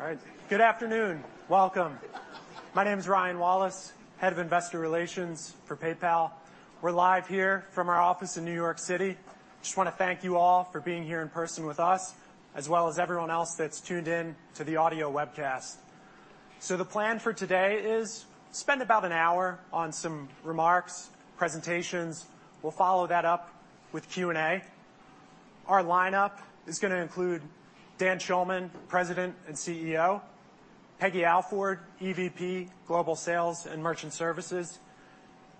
All right. Good afternoon. Welcome. My name is Ryan Wallace, Head of Investor Relations for PayPal. We're live here from our office in New York City. Just wanna thank you all for being here in person with us, as well as everyone else that's tuned in to the audio webcast. The plan for today is spend about an hour on some remarks, presentations. We'll follow that up with Q&A. Our lineup is gonna include Dan Schulman, President and CEO, Peggy Alford, EVP, Global Sales and Merchant Services,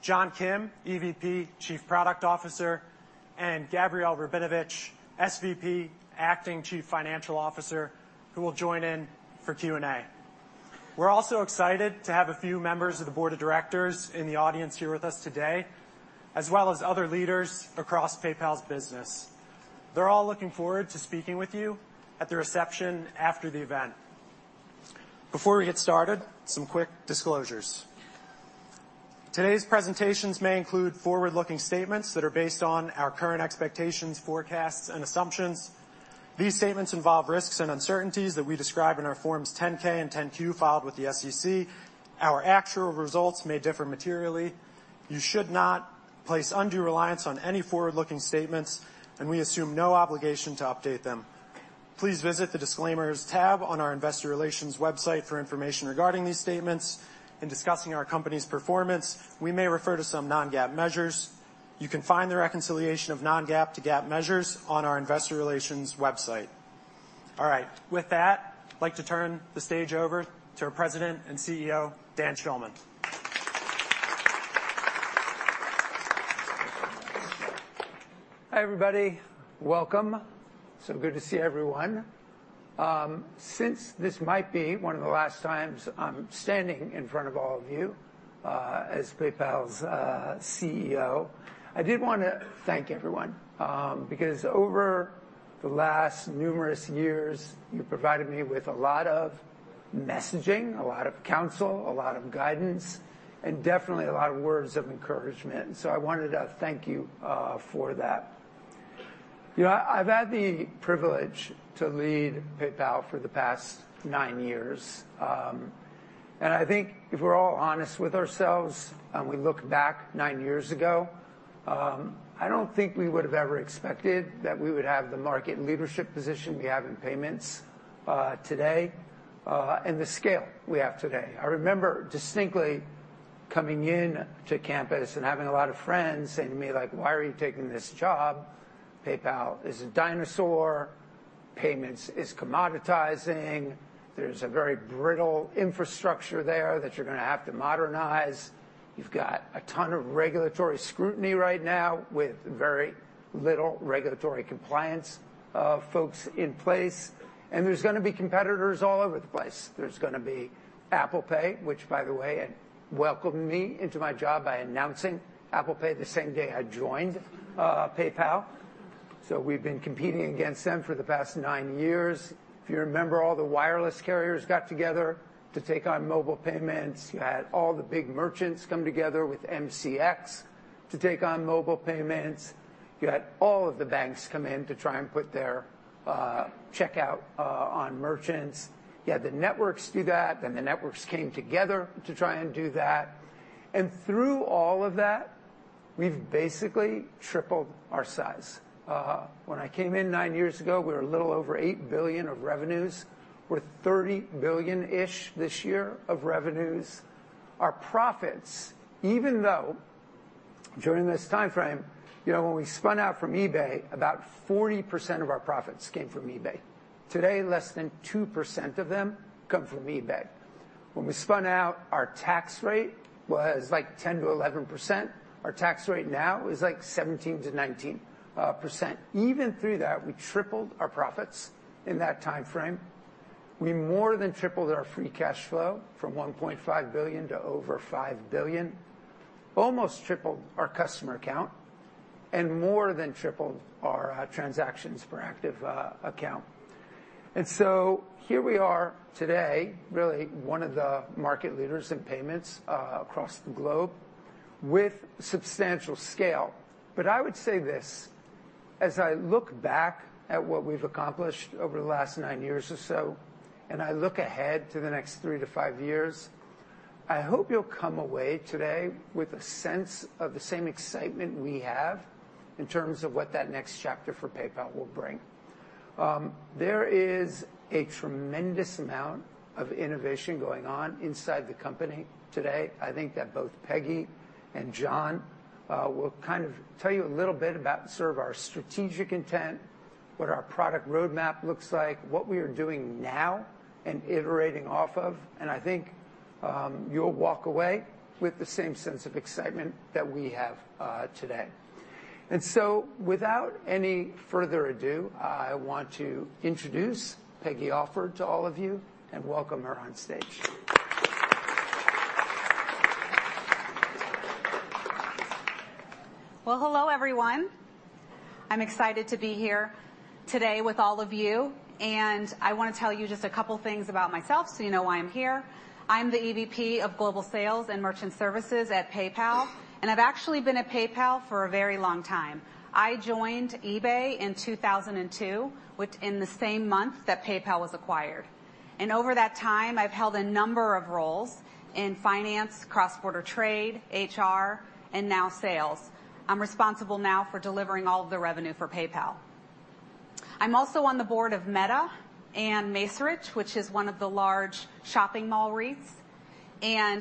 John Kim, EVP, Chief Product Officer, and Gabrielle Rabinovitch, SVP, Acting Chief Financial Officer, who will join in for Q&A. We're also excited to have a few members of the board of directors in the audience here with us today, as well as other leaders across PayPal's business. They're all looking forward to speaking with you at the reception after the event. Before we get started, some quick disclosures. Today's presentations may include forward-looking statements that are based on our current expectations, forecasts, and assumptions. These statements involve risks and uncertainties that we describe in our Forms 10-K and 10-Q filed with the SEC. Our actual results may differ materially. You should not place undue reliance on any forward-looking statements, and we assume no obligation to update them. Please visit the Disclaimers tab on our investor relations website for information regarding these statements. In discussing our company's performance, we may refer to some non-GAAP measures. You can find the reconciliation of non-GAAP to GAAP measures on our investor relations website. All right. With that, I'd like to turn the stage over to our President and CEO, Dan Schulman. Hi, everybody. Welcome. Good to see everyone. Since this might be one of the last times I'm standing in front of all of you, as PayPal's CEO, I did wanna thank everyone because over the last numerous years, you provided me with a lot of messaging, a lot of counsel, a lot of guidance, and definitely a lot of words of encouragement, I wanted to thank you for that. You know, I've had the privilege to lead PayPal for the past nine years, I think if we're all honest with ourselves, and we look back nine years ago, I don't think we would have ever expected that we would have the market leadership position we have in payments today and the scale we have today. I remember distinctly coming in to campus and having a lot of friends saying to me, like: "Why are you taking this job? PayPal is a dinosaur. Payments is commoditizing. There's a very brittle infrastructure there that you're gonna have to modernize. You've got a ton of regulatory scrutiny right now, with very little regulatory compliance, folks in place, and there's gonna be competitors all over the place. There's gonna be Apple Pay," which, by the way, welcomed me into my job by announcing Apple Pay the same day I joined, PayPal. We've been competing against them for the past nine years. If you remember, all the wireless carriers got together to take on mobile payments. You had all the big merchants come together with MCX to take on mobile payments. You had all of the banks come in to try and put their checkout on merchants. You had the networks do that, then the networks came together to try and do that, and through all of that, we've basically tripled our size. When I came in nine years ago, we were a little over $8 billion of revenues. We're $30 billion-ish this year of revenues. Our profits, even though during this timeframe... You know, when we spun out from eBay, about 40% of our profits came from eBay. Today, less than 2% of them come from eBay. When we spun out, our tax rate was, like, 10%-11%. Our tax rate now is, like, 17%-19%. Even through that, we tripled our profits in that timeframe. We more than tripled our free cash flow from $1.5 billion to over $5 billion, almost tripled our customer count, and more than tripled our transactions per active account. Here we are today, really one of the market leaders in payments across the globe with substantial scale. I would say this: as I look back at what we've accomplished over the last nine years or so, and I look ahead to the next 3-5 years, I hope you'll come away today with a sense of the same excitement we have in terms of what that next chapter for PayPal will bring. There is a tremendous amount of innovation going on inside the company today. I think that both Peggy and John, will kind of tell you a little bit about sort of our strategic intent, what our product roadmap looks like, what we are doing now and iterating off of, and I think, you'll walk away with the same sense of excitement that we have, today. Without any further ado, I want to introduce Peggy Alford to all of you and welcome her on stage. Well, hello, everyone. I'm excited to be here today with all of you. I want to tell you just a couple things about myself, so you know why I'm here. I'm the EVP of Global Sales and Merchant Services at PayPal. I've actually been at PayPal for a very long time. I joined eBay in 2002, which in the same month that PayPal was acquired. Over that time, I've held a number of roles in finance, cross-border trade, HR, and now sales. I'm responsible now for delivering all of the revenue for PayPal. I'm also on the board of Meta and Macerich, which is one of the large shopping mall REITs.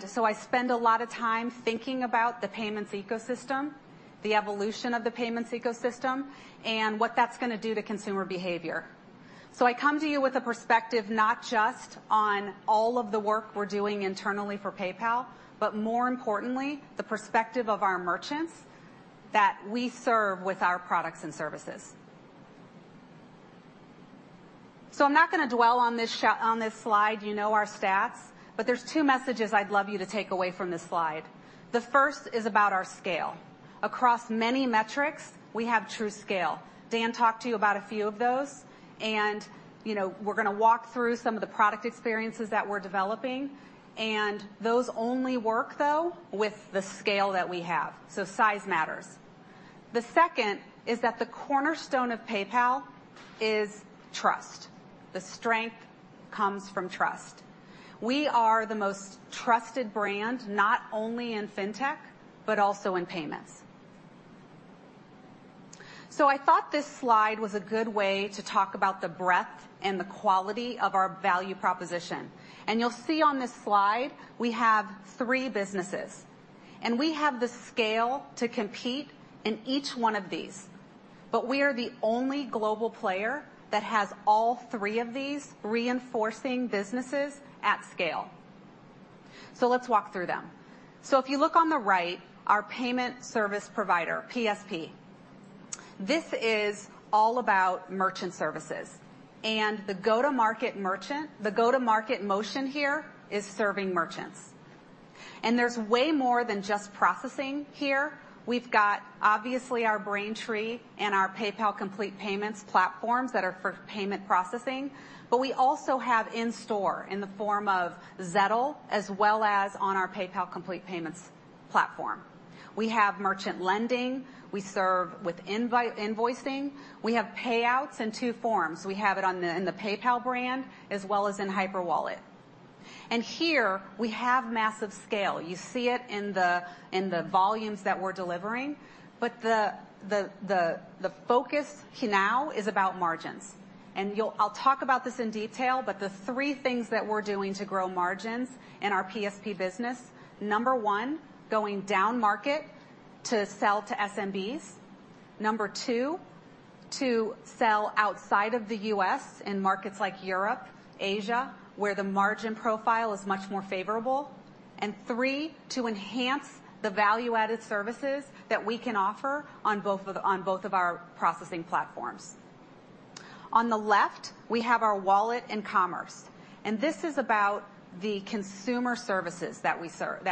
So I spend a lot of time thinking about the payments ecosystem, the evolution of the payments ecosystem, and what that's gonna do to consumer behavior. I come to you with a perspective, not just on all of the work we're doing internally for PayPal, but more importantly, the perspective of our merchants that we serve with our products and services. I'm not gonna dwell on this on this slide. You know our stats, but there's two messages I'd love you to take away from this slide. The first is about our scale. Across many metrics, we have true scale. Dan talked to you about a few of those, and, you know, we're gonna walk through some of the product experiences that we're developing, and those only work, though, with the scale that we have, so size matters. The second is that the cornerstone of PayPal is trust. The strength comes from trust. We are the most trusted brand, not only in fintech, but also in payments. I thought this slide was a good way to talk about the breadth and the quality of our value proposition. You'll see on this slide, we have three businesses, and we have the scale to compete in each one of these, but we are the only global player that has all three of these reinforcing businesses at scale. Let's walk through them. If you look on the right, our payment service provider, PSP. This is all about merchant services and the go-to-market motion here is serving merchants. There's way more than just processing here. We've got, obviously, our Braintree and our PayPal Complete Payments platforms that are for payment processing, but we also have in-store in the form of Zettle, as well as on our PayPal Complete Payments platform. We have merchant lending. We serve with invoicing. We have payouts in two forms. We have it in the PayPal brand, as well as in Hyperwallet. Here we have massive scale. You see it in the volumes that we're delivering, the focus now is about margins. I'll talk about this in detail, the three things that we're doing to grow margins in our PSP business: One. going down market to sell to SMBs. Two. to sell outside of the U.S. in markets like Europe, Asia, where the margin profile is much more favorable. Three. to enhance the value-added services that we can offer on both of our processing platforms. On the left, we have our wallet and commerce. This is about the consumer services that we serve,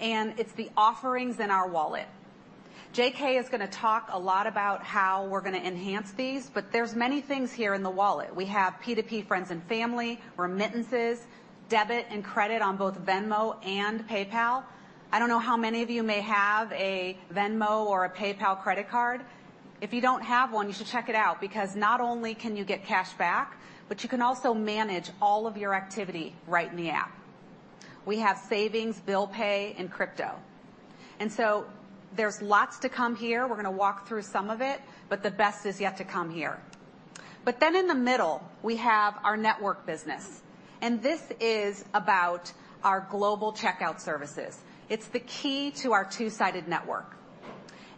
and it's the offerings in our wallet. J.K. is gonna talk a lot about how we're gonna enhance these. There's many things here in the wallet. We have P2P, friends and family, remittances, debit and credit on both Venmo and PayPal. I don't know how many of you may have a Venmo or a PayPal credit card. If you don't have one, you should check it out, because not only can you get cash back, but you can also manage all of your activity right in the app. We have savings, bill pay, and crypto. There's lots to come here. We're gonna walk through some of it. The best is yet to come here. In the middle, we have our network business, and this is about our global checkout services. It's the key to our two-sided network.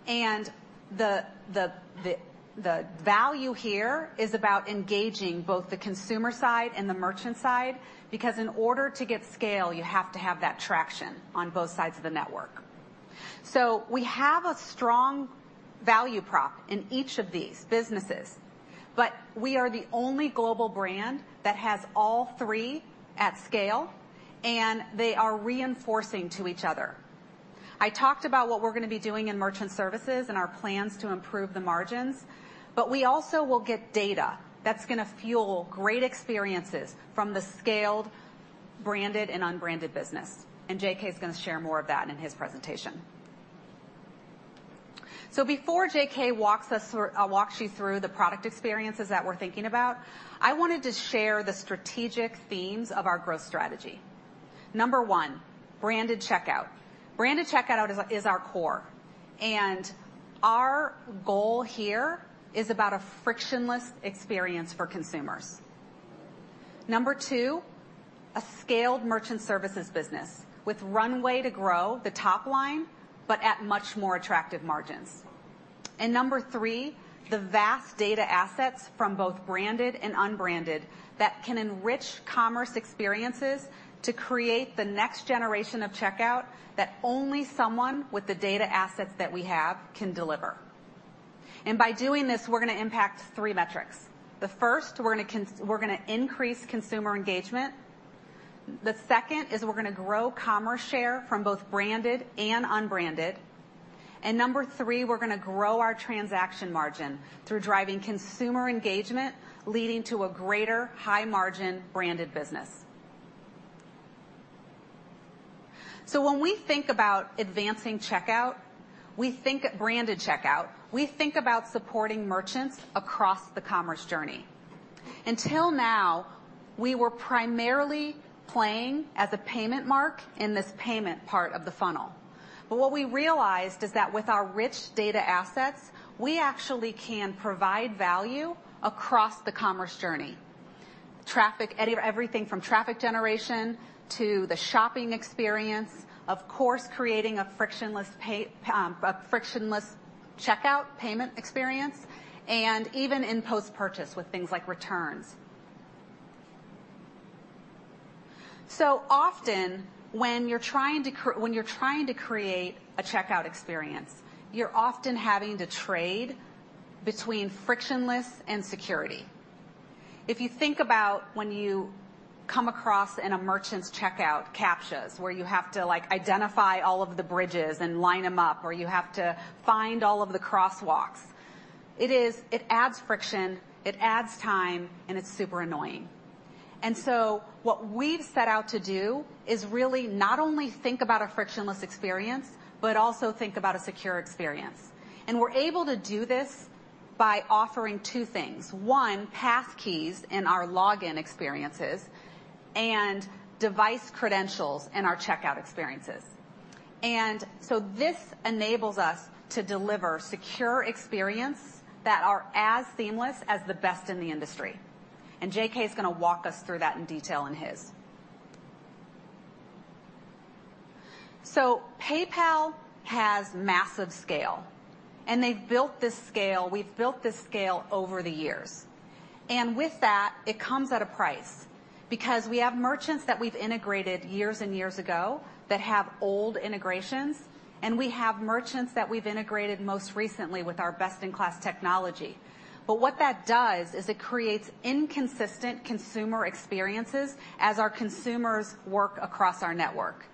The value here is about engaging both the consumer side and the merchant side because in order to get scale, you have to have that traction on both sides of the network. We have a strong value prop in each of these businesses, but we are the only global brand that has all three at scale, and they are reinforcing to each other. I talked about what we're gonna be doing in merchant services and our plans to improve the margins, but we also will get data that's gonna fuel great experiences from the scaled, branded, and unbranded business. J.K. is gonna share more of that in his presentation. Before J.K. walks us through. walks you through the product experiences that we're thinking about, I wanted to share the strategic themes of our growth strategy. Number one, branded checkout. Branded checkout is our core, and our goal here is about a frictionless experience for consumers. Number two, a scaled merchant services business with runway to grow the top line, but at much more attractive margins. Number three, the vast data assets from both branded and unbranded that can enrich commerce experiences to create the next generation of checkout that only someone with the data assets that we have can deliver. By doing this, we're gonna impact three metrics. The first, we're gonna increase consumer engagement. The second is we're gonna grow commerce share from both branded and unbranded. Number three, we're going to grow our transaction margin through driving consumer engagement, leading to a greater high-margin branded business. When we think about advancing checkout, we think branded checkout. We think about supporting merchants across the commerce journey. Until now, we were primarily playing as a payment mark in this payment part of the funnel. What we realized is that with our rich data assets, we actually can provide value across the commerce journey. Everything from traffic generation to the shopping experience, of course, creating a frictionless checkout payment experience, and even in post-purchase with things like returns. Often, when you're trying to create a checkout experience, you're often having to trade between frictionless and security. If you think about when you come across in a merchant's checkout CAPTCHAs, where you have to, like, identify all of the bridges and line them up, or you have to find all of the crosswalks, it adds friction, it adds time, and it's super annoying. What we've set out to do is really not only think about a frictionless experience, but also think about a secure experience. We're able to do this by offering two things: one, passkeys in our login experiences and device credentials in our checkout experiences. This enables us to deliver secure experience that are as seamless as the best in the industry. J.K. is gonna walk us through that in detail in his. PayPal has massive scale, and they've built this scale. We've built this scale over the years. With that, it comes at a price, because we have merchants that we've integrated years and years ago that have old integrations, and we have merchants that we've integrated most recently with our best-in-class technology. What that does is it creates inconsistent consumer experiences as our consumers work across our network.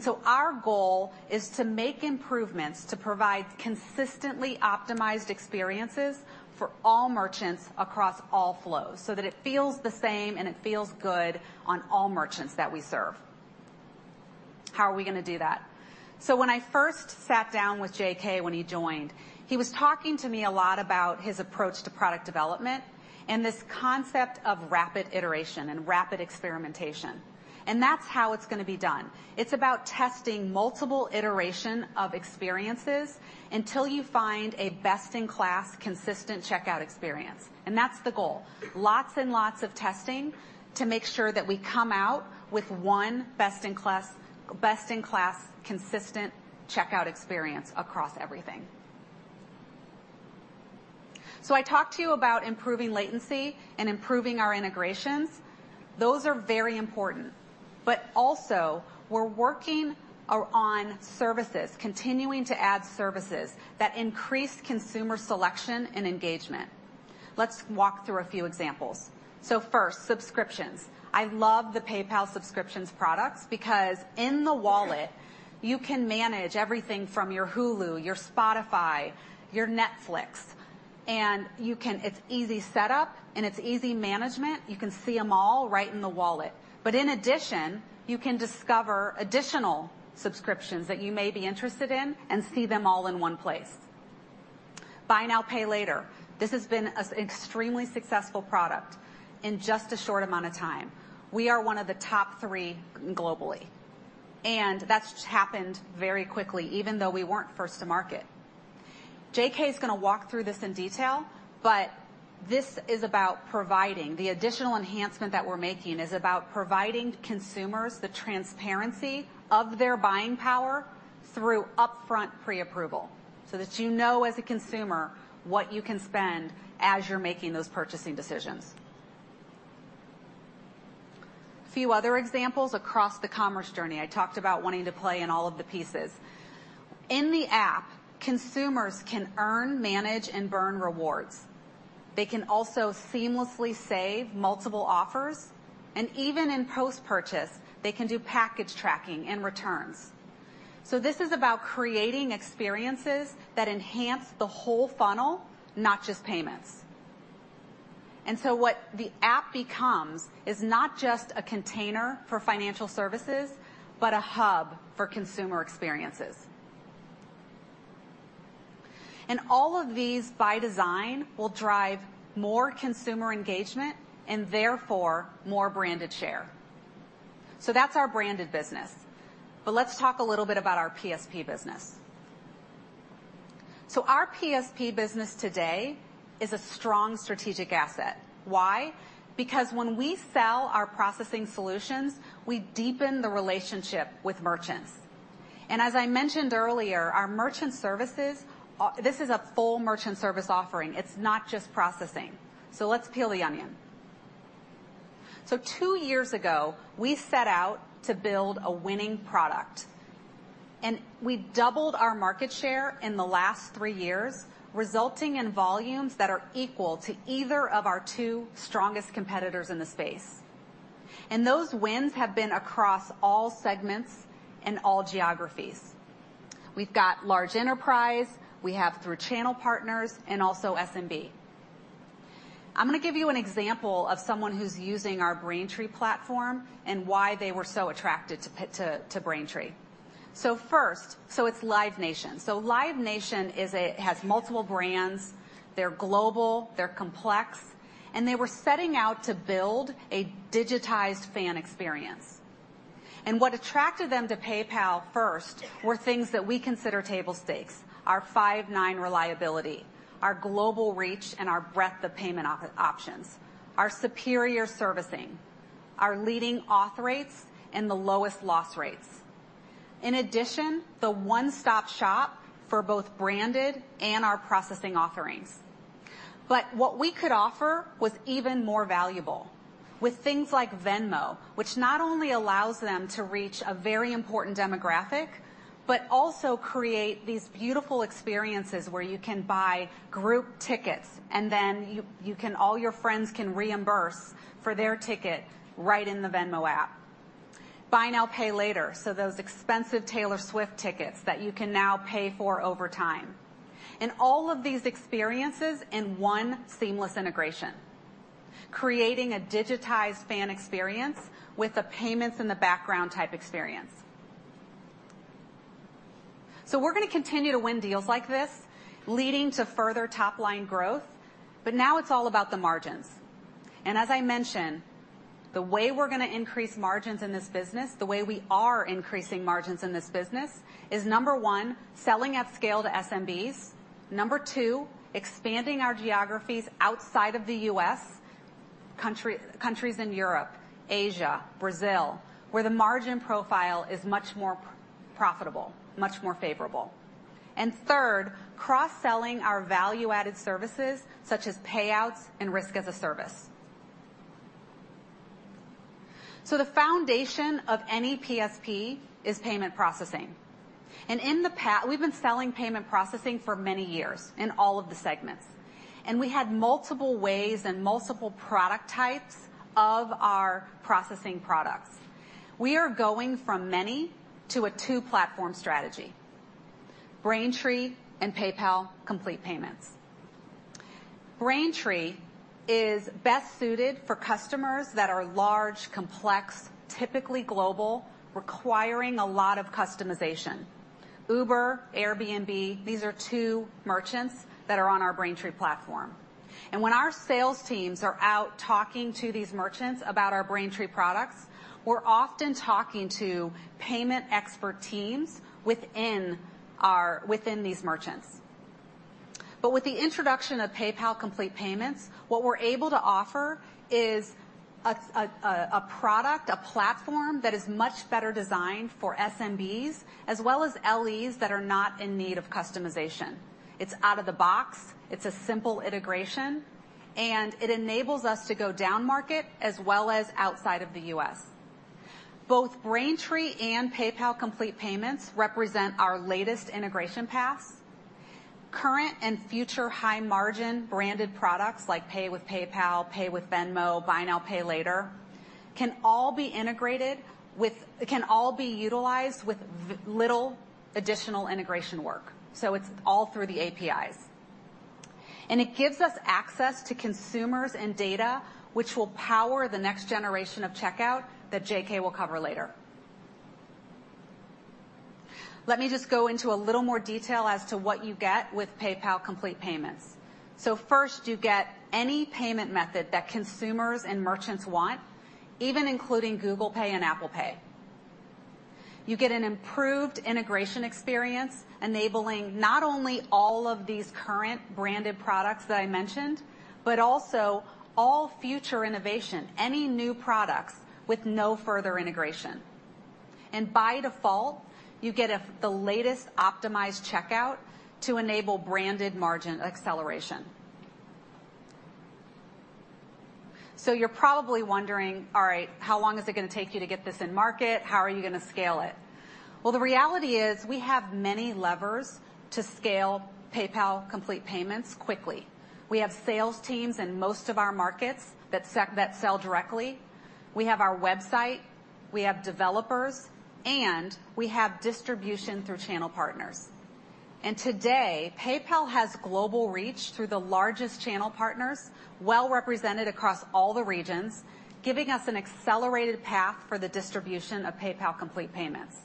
So our goal is to make improvements, to provide consistently optimized experiences for all merchants across all flows, so that it feels the same and it feels good on all merchants that we serve. How are we gonna do that? When I first sat down with J.K. when he joined, he was talking to me a lot about his approach to product development and this concept of rapid iteration and rapid experimentation. That's how it's gonna be done. It's about testing multiple iteration of experiences until you find a best-in-class, consistent checkout experience. That's the goal. Lots and lots of testing to make sure that we come out with one best-in-class, consistent checkout experience across everything. I talked to you about improving latency and improving our integrations. Those are very important, but also, we're working on services, continuing to add services that increase consumer selection and engagement. Let's walk through a few examples. First, subscriptions. I love the PayPal subscriptions products because in the wallet, you can manage everything from your Hulu, your Spotify, your Netflix. It's easy setup, and it's easy management. You can see them all right in the wallet. In addition, you can discover additional subscriptions that you may be interested in and see them all in one place. Buy Now, Pay Later. This has been an extremely successful product in just a short amount of time. We are one of the top three globally, and that's happened very quickly, even though we weren't first to market. J.K. is going to walk through this in detail, but the additional enhancement that we're making is about providing consumers the transparency of their buying power through upfront pre-approval, so that you know, as a consumer, what you can spend as you're making those purchasing decisions. A few other examples across the commerce journey. I talked about wanting to play in all of the pieces. In the app, consumers can earn, manage, and burn rewards. They can also seamlessly save multiple offers, and even in post-purchase, they can do package tracking and returns. This is about creating experiences that enhance the whole funnel, not just payments. What the app becomes is not just a container for financial services, but a hub for consumer experiences. All of these, by design, will drive more consumer engagement and therefore more branded share. That's our branded business. Let's talk a little bit about our PSP business. Our PSP business today is a strong strategic asset. Why? Because when we sell our processing solutions, we deepen the relationship with merchants. As I mentioned earlier, our merchant services, this is a full merchant service offering. It's not just processing. Let's peel the onion. Two years ago, we set out to build a winning product, we've doubled our market share in the last three years, resulting in volumes that are equal to either of our two strongest competitors in the space. Those wins have been across all segments and all geographies. We've got large enterprise, we have through channel partners, and also SMB. I'm gonna give you an example of someone who's using our Braintree platform and why they were so attracted to Braintree. It's Live Nation. Live Nation has multiple brands, they're global, they're complex, and they were setting out to build a digitized fan experience. What attracted them to PayPal first were things that we consider table stakes: our five nines reliability, our global reach, and our breadth of payment options, our superior servicing, our leading auth rates, and the lowest loss rates. In addition, the one-stop shop for both branded and our processing offerings. What we could offer was even more valuable. With things like Venmo, which not only allows them to reach a very important demographic, but also create these beautiful experiences where you can buy group tickets, and then you can all your friends can reimburse for their ticket right in the Venmo app. Buy Now, Pay Later, those expensive Taylor Swift tickets that you can now pay for over time. All of these experiences in one seamless integration, creating a digitized fan experience with the payments-in-the-background type experience. We're gonna continue to win deals like this, leading to further top-line growth, but now it's all about the margins. As I mentioned, the way we're gonna increase margins in this business, the way we are increasing margins in this business, is, number one, selling at scale to SMBs. Number two, expanding our geographies outside of the U.S., countries in Europe, Asia, Brazil, where the margin profile is much more profitable, much more favorable. Third, cross-selling our value-added services, such as payouts and Risk-as-a-Service. The foundation of any PSP is payment processing, and we've been selling payment processing for many years in all of the segments, and we had multiple ways and multiple product types of our processing products. We are going from many to a 2-platform strategy: Braintree and PayPal Complete Payments. Braintree is best suited for customers that are large, complex, typically global, requiring a lot of customization. Uber, Airbnb, these are two merchants that are on our Braintree platform. When our sales teams are out talking to these merchants about our Braintree products, we're often talking to payment expert teams within these merchants. With the introduction of PayPal Complete Payments, what we're able to offer is a product, a platform that is much better designed for SMBs as well as LEs that are not in need of customization. It's out of the box, it's a simple integration, it enables us to go down market as well as outside of the U.S. Both Braintree and PayPal Complete Payments represent our latest integration paths. Current and future high-margin branded products, like Pay with PayPal, Pay with Venmo, Buy Now, Pay Later, can all be utilized with little additional integration work, so it's all through the APIs. It gives us access to consumers and data, which will power the next generation of checkout that J.K. will cover later. Let me just go into a little more detail as to what you get with PayPal Complete Payments. First, you get any payment method that consumers and merchants want, even including Google Pay and Apple Pay. You get an improved integration experience, enabling not only all of these current branded products that I mentioned, but also all future innovation, any new products with no further integration. By default, you get the latest optimized checkout to enable branded margin acceleration. You're probably wondering, all right, how long is it gonna take you to get this in market? How are you gonna scale it? The reality is, we have many levers to scale PayPal Complete Payments quickly. We have sales teams in most of our markets that sell directly, we have our website, we have developers, and we have distribution through channel partners. Today, PayPal has global reach through the largest channel partners, well represented across all the regions, giving us an accelerated path for the distribution of PayPal Complete Payments.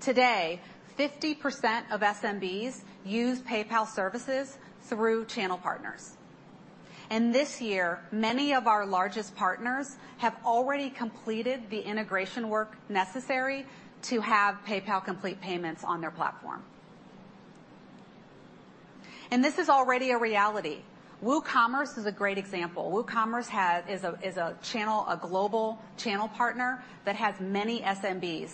Today, 50% of SMBs use PayPal services through channel partners. This year, many of our largest partners have already completed the integration work necessary to have PayPal Complete Payments on their platform. This is already a reality. WooCommerce is a great example. WooCommerce has... is a channel, a global channel partner that has many SMBs.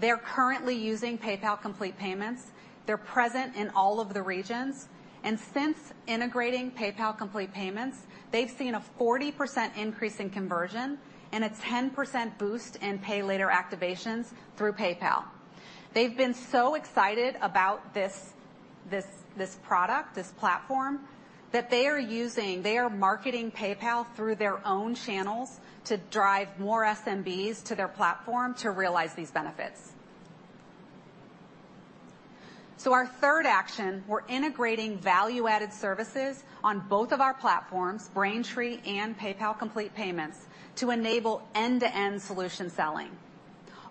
They're currently using PayPal Complete Payments. They're present in all of the regions. Since integrating PayPal Complete Payments, they've seen a 40% increase in conversion and a 10% boost in pay later activations through PayPal. They've been so excited about this product, this platform, that they are marketing PayPal through their own channels to drive more SMBs to their platform to realize these benefits. Our third action, we're integrating value-added services on both of our platforms, Braintree and PayPal Complete Payments, to enable end-to-end solution selling.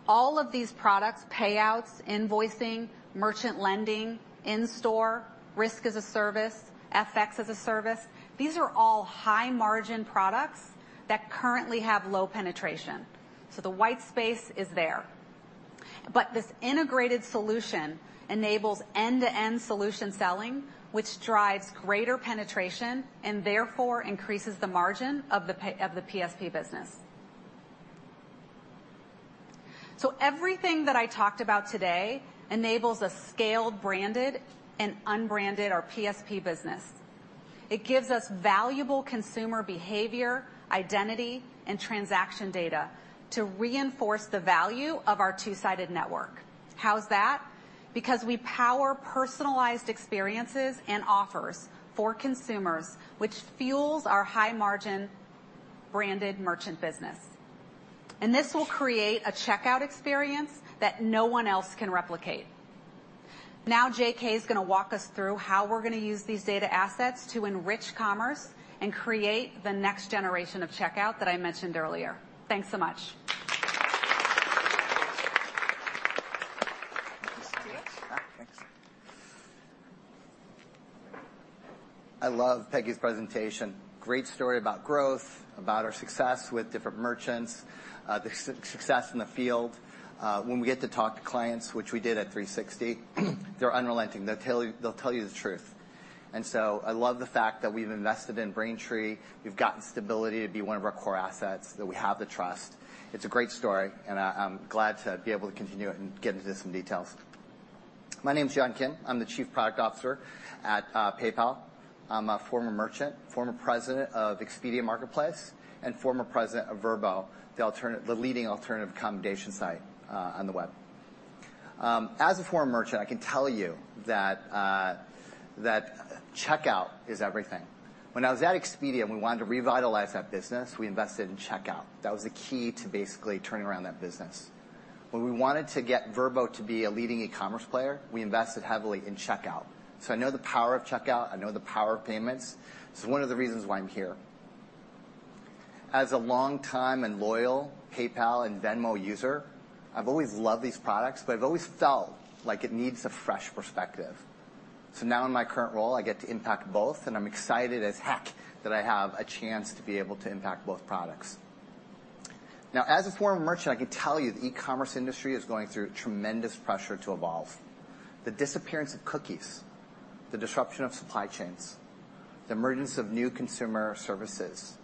All of these products, payouts, invoicing, merchant lending, in-store, Risk-as-a-Service, FX-as-a-Service, these are all high-margin products that currently have low penetration. The white space is there. This integrated solution enables end-to-end solution selling, which drives greater penetration and therefore increases the margin of the PSP business. Everything that I talked about today enables a scaled, branded, and unbranded our PSP business. It gives us valuable consumer behavior, identity, and transaction data to reinforce the value of our two-sided network. How's that? Because we power personalized experiences and offers for consumers, which fuels our high-margin branded merchant business. This will create a checkout experience that no one else can replicate. J.K. is gonna walk us through how we're gonna use these data assets to enrich commerce and create the next generation of checkout that I mentioned earlier. Thanks so much. Thanks. I love Peggy's presentation. Great story about growth, about our success with different merchants, the success in the field. When we get to talk to clients, which we did at C360, they're unrelenting. They'll tell you, they'll tell you the truth. I love the fact that we've invested in Braintree, we've gotten stability to be one of our core assets, that we have the trust. It's a great story, and I'm glad to be able to continue it and get into some details. My name is John Kim. I'm the Chief Product Officer at PayPal. I'm a former merchant, former president of Expedia Marketplace, and former president of Vrbo, the leading alternative accommodation site on the web. As a former merchant, I can tell you that checkout is everything. When I was at Expedia, and we wanted to revitalize that business, we invested in checkout. That was the key to basically turning around that business. When we wanted to get Vrbo to be a leading e-commerce player, we invested heavily in checkout. I know the power of checkout, I know the power of payments. It's one of the reasons why I'm here. As a long-time and loyal PayPal and Venmo user, I've always loved these products, but I've always felt like it needs a fresh perspective. Now in my current role, I get to impact both, and I'm excited as heck that I have a chance to be able to impact both products. Now, as a former merchant, I can tell you, the e-commerce industry is going through tremendous pressure to evolve. The disappearance of cookies, the disruption of supply chains, the emergence of new consumer services,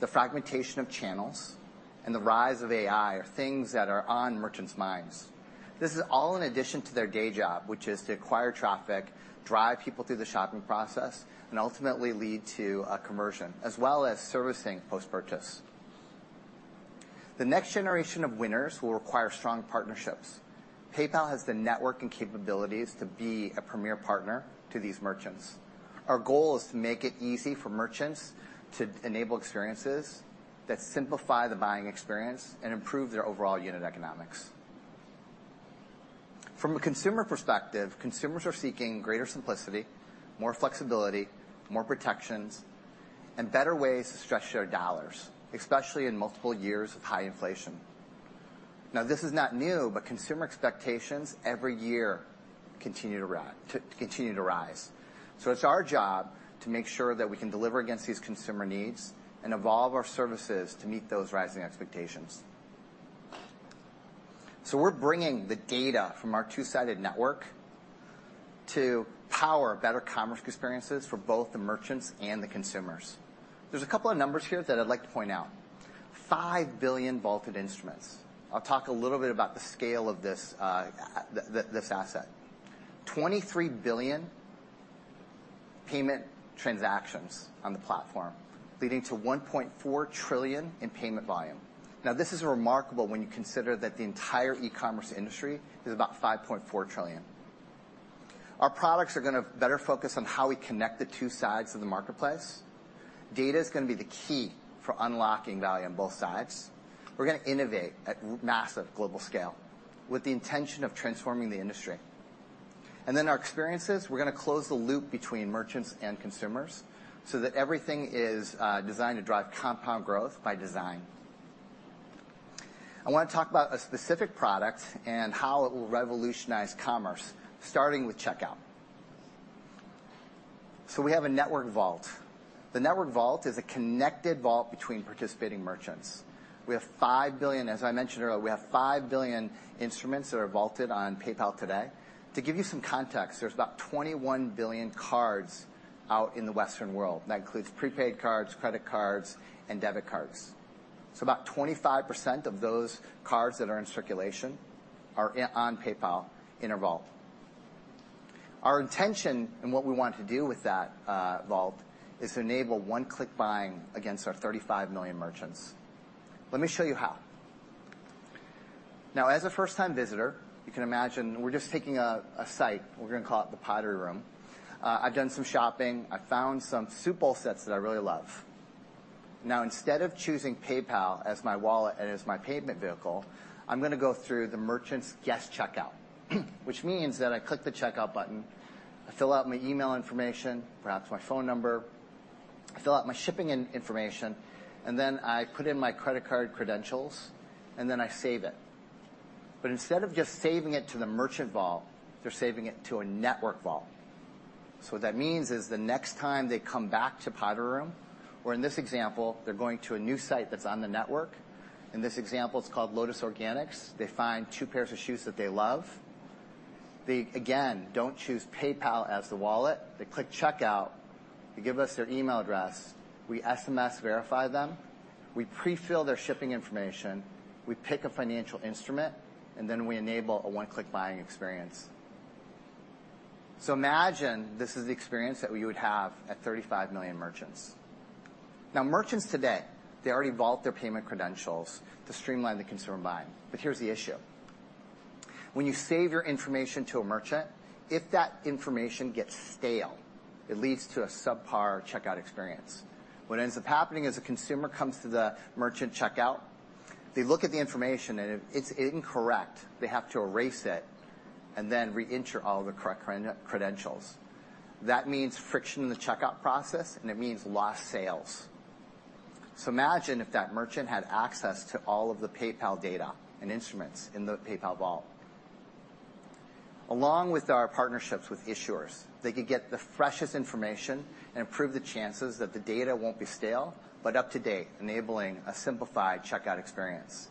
the fragmentation of channels, and the rise of AI are things that are on merchants' minds. This is all in addition to their day job, which is to acquire traffic, drive people through the shopping process, and ultimately lead to a conversion, as well as servicing post-purchase. The next generation of winners will require strong partnerships. PayPal has the network and capabilities to be a premier partner to these merchants. Our goal is to make it easy for merchants to enable experiences that simplify the buying experience and improve their overall unit economics. From a consumer perspective, consumers are seeking greater simplicity, more flexibility, more protections, and better ways to stretch their dollars, especially in multiple years of high inflation. This is not new, but consumer expectations every year continue to rise. It's our job to make sure that we can deliver against these consumer needs and evolve our services to meet those rising expectations. We're bringing the data from our two-sided network to power better commerce experiences for both the merchants and the consumers. There's a couple of numbers here that I'd like to point out. $5 billion vaulted instruments. I'll talk a little bit about the scale of this asset. 23 billion payment transactions on the platform, leading to $1.4 trillion in payment volume. This is remarkable when you consider that the entire e-commerce industry is about $5.4 trillion. Our products are gonna better focus on how we connect the two sides of the marketplace. Data is gonna be the key for unlocking value on both sides. We're gonna innovate at massive global scale with the intention of transforming the industry. Our experiences, we're gonna close the loop between merchants and consumers so that everything is designed to drive compound growth by design. I wanna talk about a specific product and how it will revolutionize commerce, starting with checkout. We have a network vault. The network vault is a connected vault between participating merchants. As I mentioned earlier, we have 5 billion instruments that are vaulted on PayPal today. To give you some context, there's about 21 billion cards out in the Western world. That includes prepaid cards, credit cards, and debit cards. About 25% of those cards that are in circulation are on PayPal in a vault. Our intention and what we want to do with that vault, is to enable one-click buying against our 35 million merchants. Let me show you how. As a first-time visitor, you can imagine we're just taking a site. We're gonna call it The Pottery Room. I've done some shopping. I've found some soup bowl sets that I really love. Instead of choosing PayPal as my wallet and as my payment vehicle, I'm gonna go through the merchant's guest checkout. Which means that I click the Checkout button, I fill out my email information, perhaps my phone number, I fill out my shipping information, and then I put in my credit card credentials, and then I save it. Instead of just saving it to the merchant vault, they're saving it to a network vault. What that means is the next time they come back to The Pottery Room, or in this example, they're going to a new site that's on the network. In this example, it's called Lotus Organics. They find two pairs of shoes that they love. They, again, don't choose PayPal as the wallet. They click Checkout. They give us their email address. We SMS verify them. We pre-fill their shipping information, we pick a financial instrument, and then we enable a one-click buying experience. Imagine this is the experience that we would have at 35 million merchants. Now, merchants today, they already vault their payment credentials to streamline the consumer buying, but here's the issue. When you save your information to a merchant, if that information gets stale, it leads to a subpar checkout experience. What ends up happening is, the consumer comes to the merchant checkout, they look at the information, if it's incorrect, they have to erase it and then re-enter all the correct credentials. That means friction in the checkout process, it means lost sales. Imagine if that merchant had access to all of the PayPal data and instruments in the PayPal vault. Along with our partnerships with issuers, they could get the freshest information and improve the chances that the data won't be stale, but up to date, enabling a simplified checkout experience.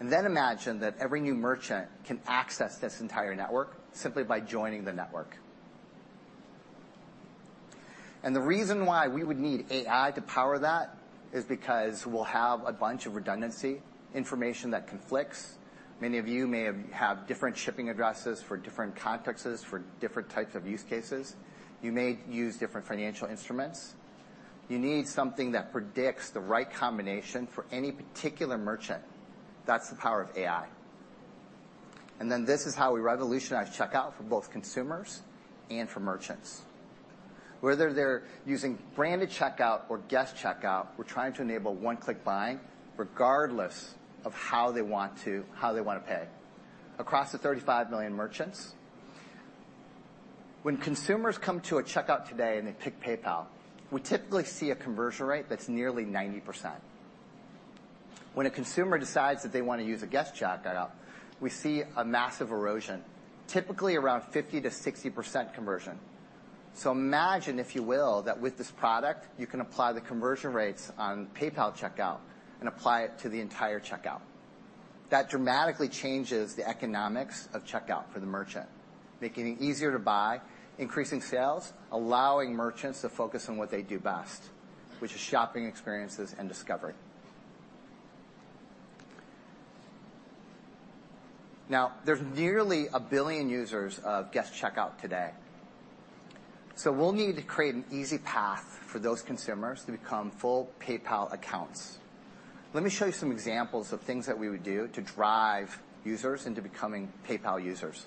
Imagine that every new merchant can access this entire network simply by joining the network. The reason why we would need AI to power that is because we'll have a bunch of redundancy, information that conflicts. Many of you may have different shipping addresses for different contexts, for different types of use cases. You may use different financial instruments. You need something that predicts the right combination for any particular merchant. That's the power of AI. This is how we revolutionize checkout for both consumers and for merchants. Whether they're using branded checkout or guest checkout, we're trying to enable one-click buying, regardless of how they want to pay. Across the 35 million merchants, when consumers come to a checkout today, and they pick PayPal, we typically see a conversion rate that's nearly 90%. When a consumer decides that they want to use a guest checkout, we see a massive erosion, typically around 50%-60% conversion. Imagine, if you will, that with this product, you can apply the conversion rates on PayPal checkout and apply it to the entire checkout. That dramatically changes the economics of checkout for the merchant, making it easier to buy, increasing sales, allowing merchants to focus on what they do best, which is shopping experiences and discovery. There's nearly 1 billion users of guest checkout today. We'll need to create an easy path for those consumers to become full PayPal accounts. Let me show you some examples of things that we would do to drive users into becoming PayPal users.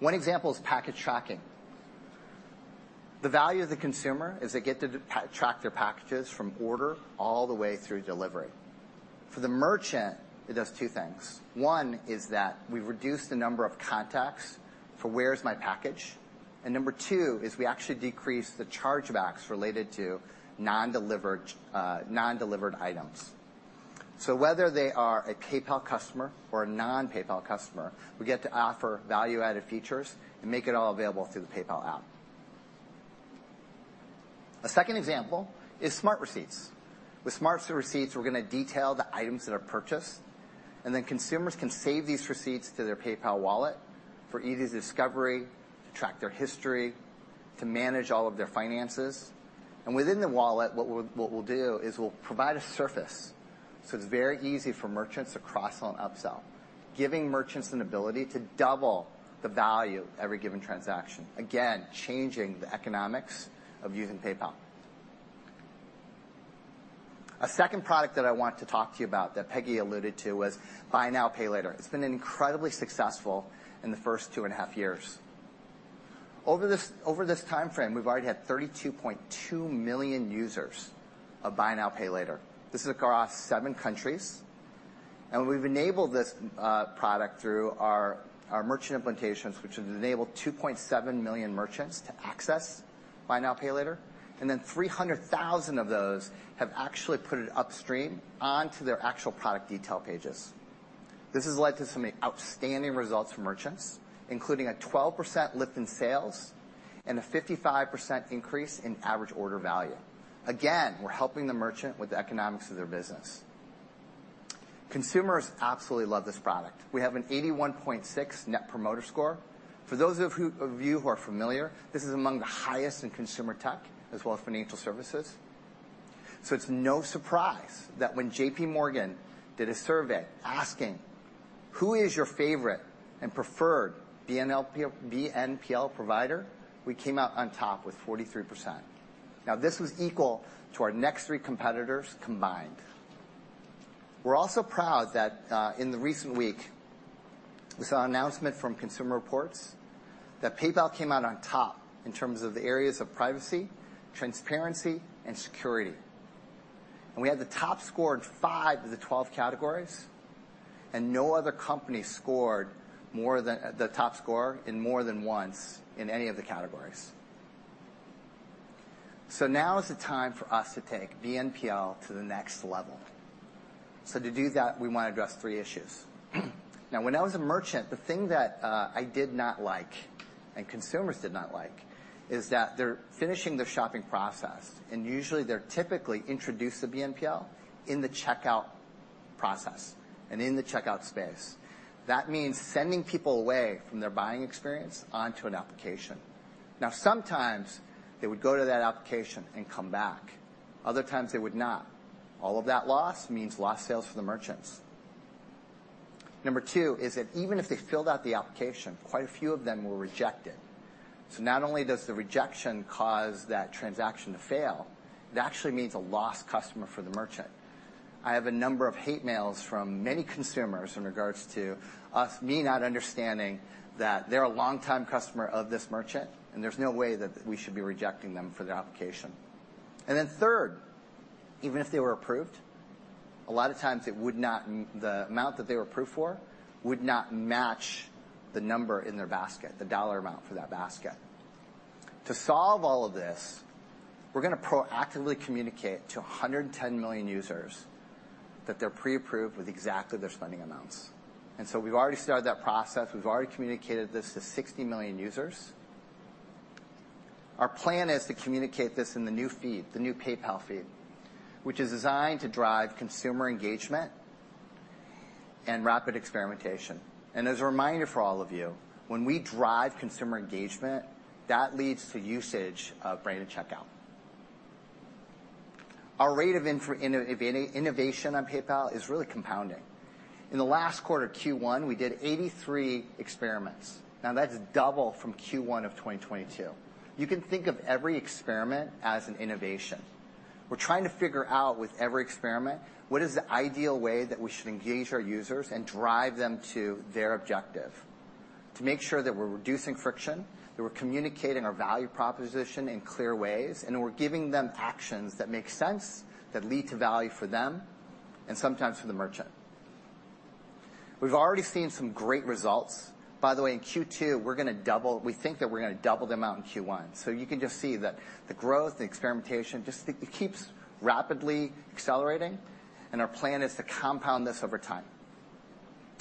One example is package tracking. The value of the consumer is they get to track their packages from order all the way through delivery. For the merchant, it does two things. One is that we reduce the number of contacts for, "Where is my package?" Number two is we actually decrease the chargebacks related to non-delivered items. Whether they are a PayPal customer or a non-PayPal customer, we get to offer value-added features and make it all available through the PayPal app. A second example is smart receipts. With smart receipts, we're gonna detail the items that are purchased, and then consumers can save these receipts to their PayPal wallet for easy discovery, to track their history, to manage all of their finances. Within the wallet, what we'll do is we'll provide a surface, so it's very easy for merchants to cross-sell and upsell, giving merchants an ability to double the value of every given transaction. Again, changing the economics of using PayPal. A second product that I want to talk to you about that Peggy alluded to was Buy Now, Pay Later. It's been incredibly successful in the first two and a half years. Over this timeframe, we've already had 32.2 million users of Buy Now, Pay Later. This is across seven countries, and we've enabled this product through our merchant implementations, which have enabled 2.7 million merchants to access Buy Now, Pay Later, and then 300,000 of those have actually put it upstream onto their actual product detail pages. This has led to some outstanding results for merchants, including a 12% lift in sales and a 55% increase in average order value. Again, we're helping the merchant with the economics of their business. Consumers absolutely love this product. We have an 81.6 net promoter score. For those of you who are familiar, this is among the highest in consumer tech, as well as financial services. It's no surprise that when JPMorgan did a survey asking, "Who is your favorite and preferred BNPL provider?" We came out on top with 43%. This was equal to our next three competitors combined. We're also proud that, in the recent week, we saw an announcement from Consumer Reports that PayPal came out on top in terms of the areas of privacy, transparency, and security. We had the top score in five of the 12 categories, and no other company scored the top score in more than once in any of the categories. Now is the time for us to take BNPL to the next level. To do that, we wanna address three issues. Now, when I was a merchant, the thing that I did not like and consumers did not like is that they're finishing their shopping process, and usually, they're typically introduced to BNPL in the checkout process and in the checkout space. That means sending people away from their buying experience onto an application. Now, sometimes they would go to that application and come back. Other times, they would not. All of that loss means lost sales for the merchants. Number two is that even if they filled out the application, quite a few of them were rejected. Not only does the rejection cause that transaction to fail, it actually means a lost customer for the merchant. I have a number of hate mails from many consumers in regards to me not understanding that they're a longtime customer of this merchant, and there's no way that we should be rejecting them for their application. Third, even if they were approved, a lot of times the amount that they were approved for would not match the number in their basket, the dollar amount for that basket. To solve all of this, we're gonna proactively communicate to 110 million users that they're pre-approved with exactly their spending amounts, and so we've already started that process. We've already communicated this to 60 million users. Our plan is to communicate this in the new feed, the new PayPal feed, which is designed to drive consumer engagement and rapid experimentation. As a reminder for all of you, when we drive consumer engagement, that leads to usage of branded checkout. Our rate of innovation on PayPal is really compounding. In the last quarter, Q1, we did 83 experiments. That's double from Q1 of 2022. You can think of every experiment as an innovation. We're trying to figure out with every experiment, what is the ideal way that we should engage our users and drive them to their objective? To make sure that we're reducing friction, that we're communicating our value proposition in clear ways, and we're giving them actions that make sense, that lead to value for them and sometimes for the merchant. We've already seen some great results. In Q2, we think that we're gonna double the amount in Q1. You can just see that the growth, the experimentation, just it keeps rapidly accelerating, and our plan is to compound this over time.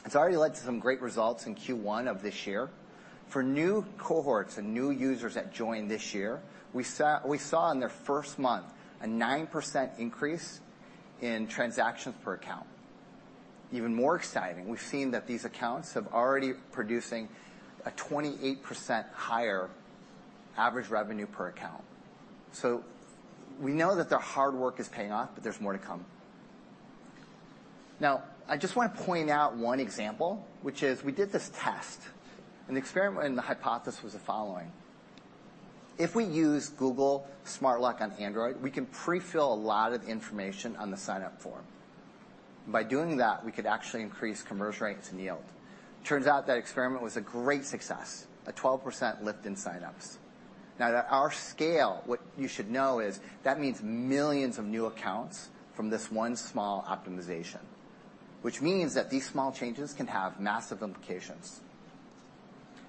It's already led to some great results in Q1 of this year. For new cohorts and new users that joined this year, we saw in their first month a 9% increase in transactions per account. Even more exciting, we've seen that these accounts have already producing a 28% higher average revenue per account. We know that the hard work is paying off, but there's more to come. I just want to point out one example, which is we did this test, and the experiment and the hypothesis was the following: If we use Google Smart Lock on Android, we can pre-fill a lot of information on the sign-up form. By doing that, we could actually increase conversion rates and yield. Turns out that experiment was a great success, a 12% lift in sign-ups. Now, at our scale, what you should know is that means millions of new accounts from this one small optimization, which means that these small changes can have massive implications.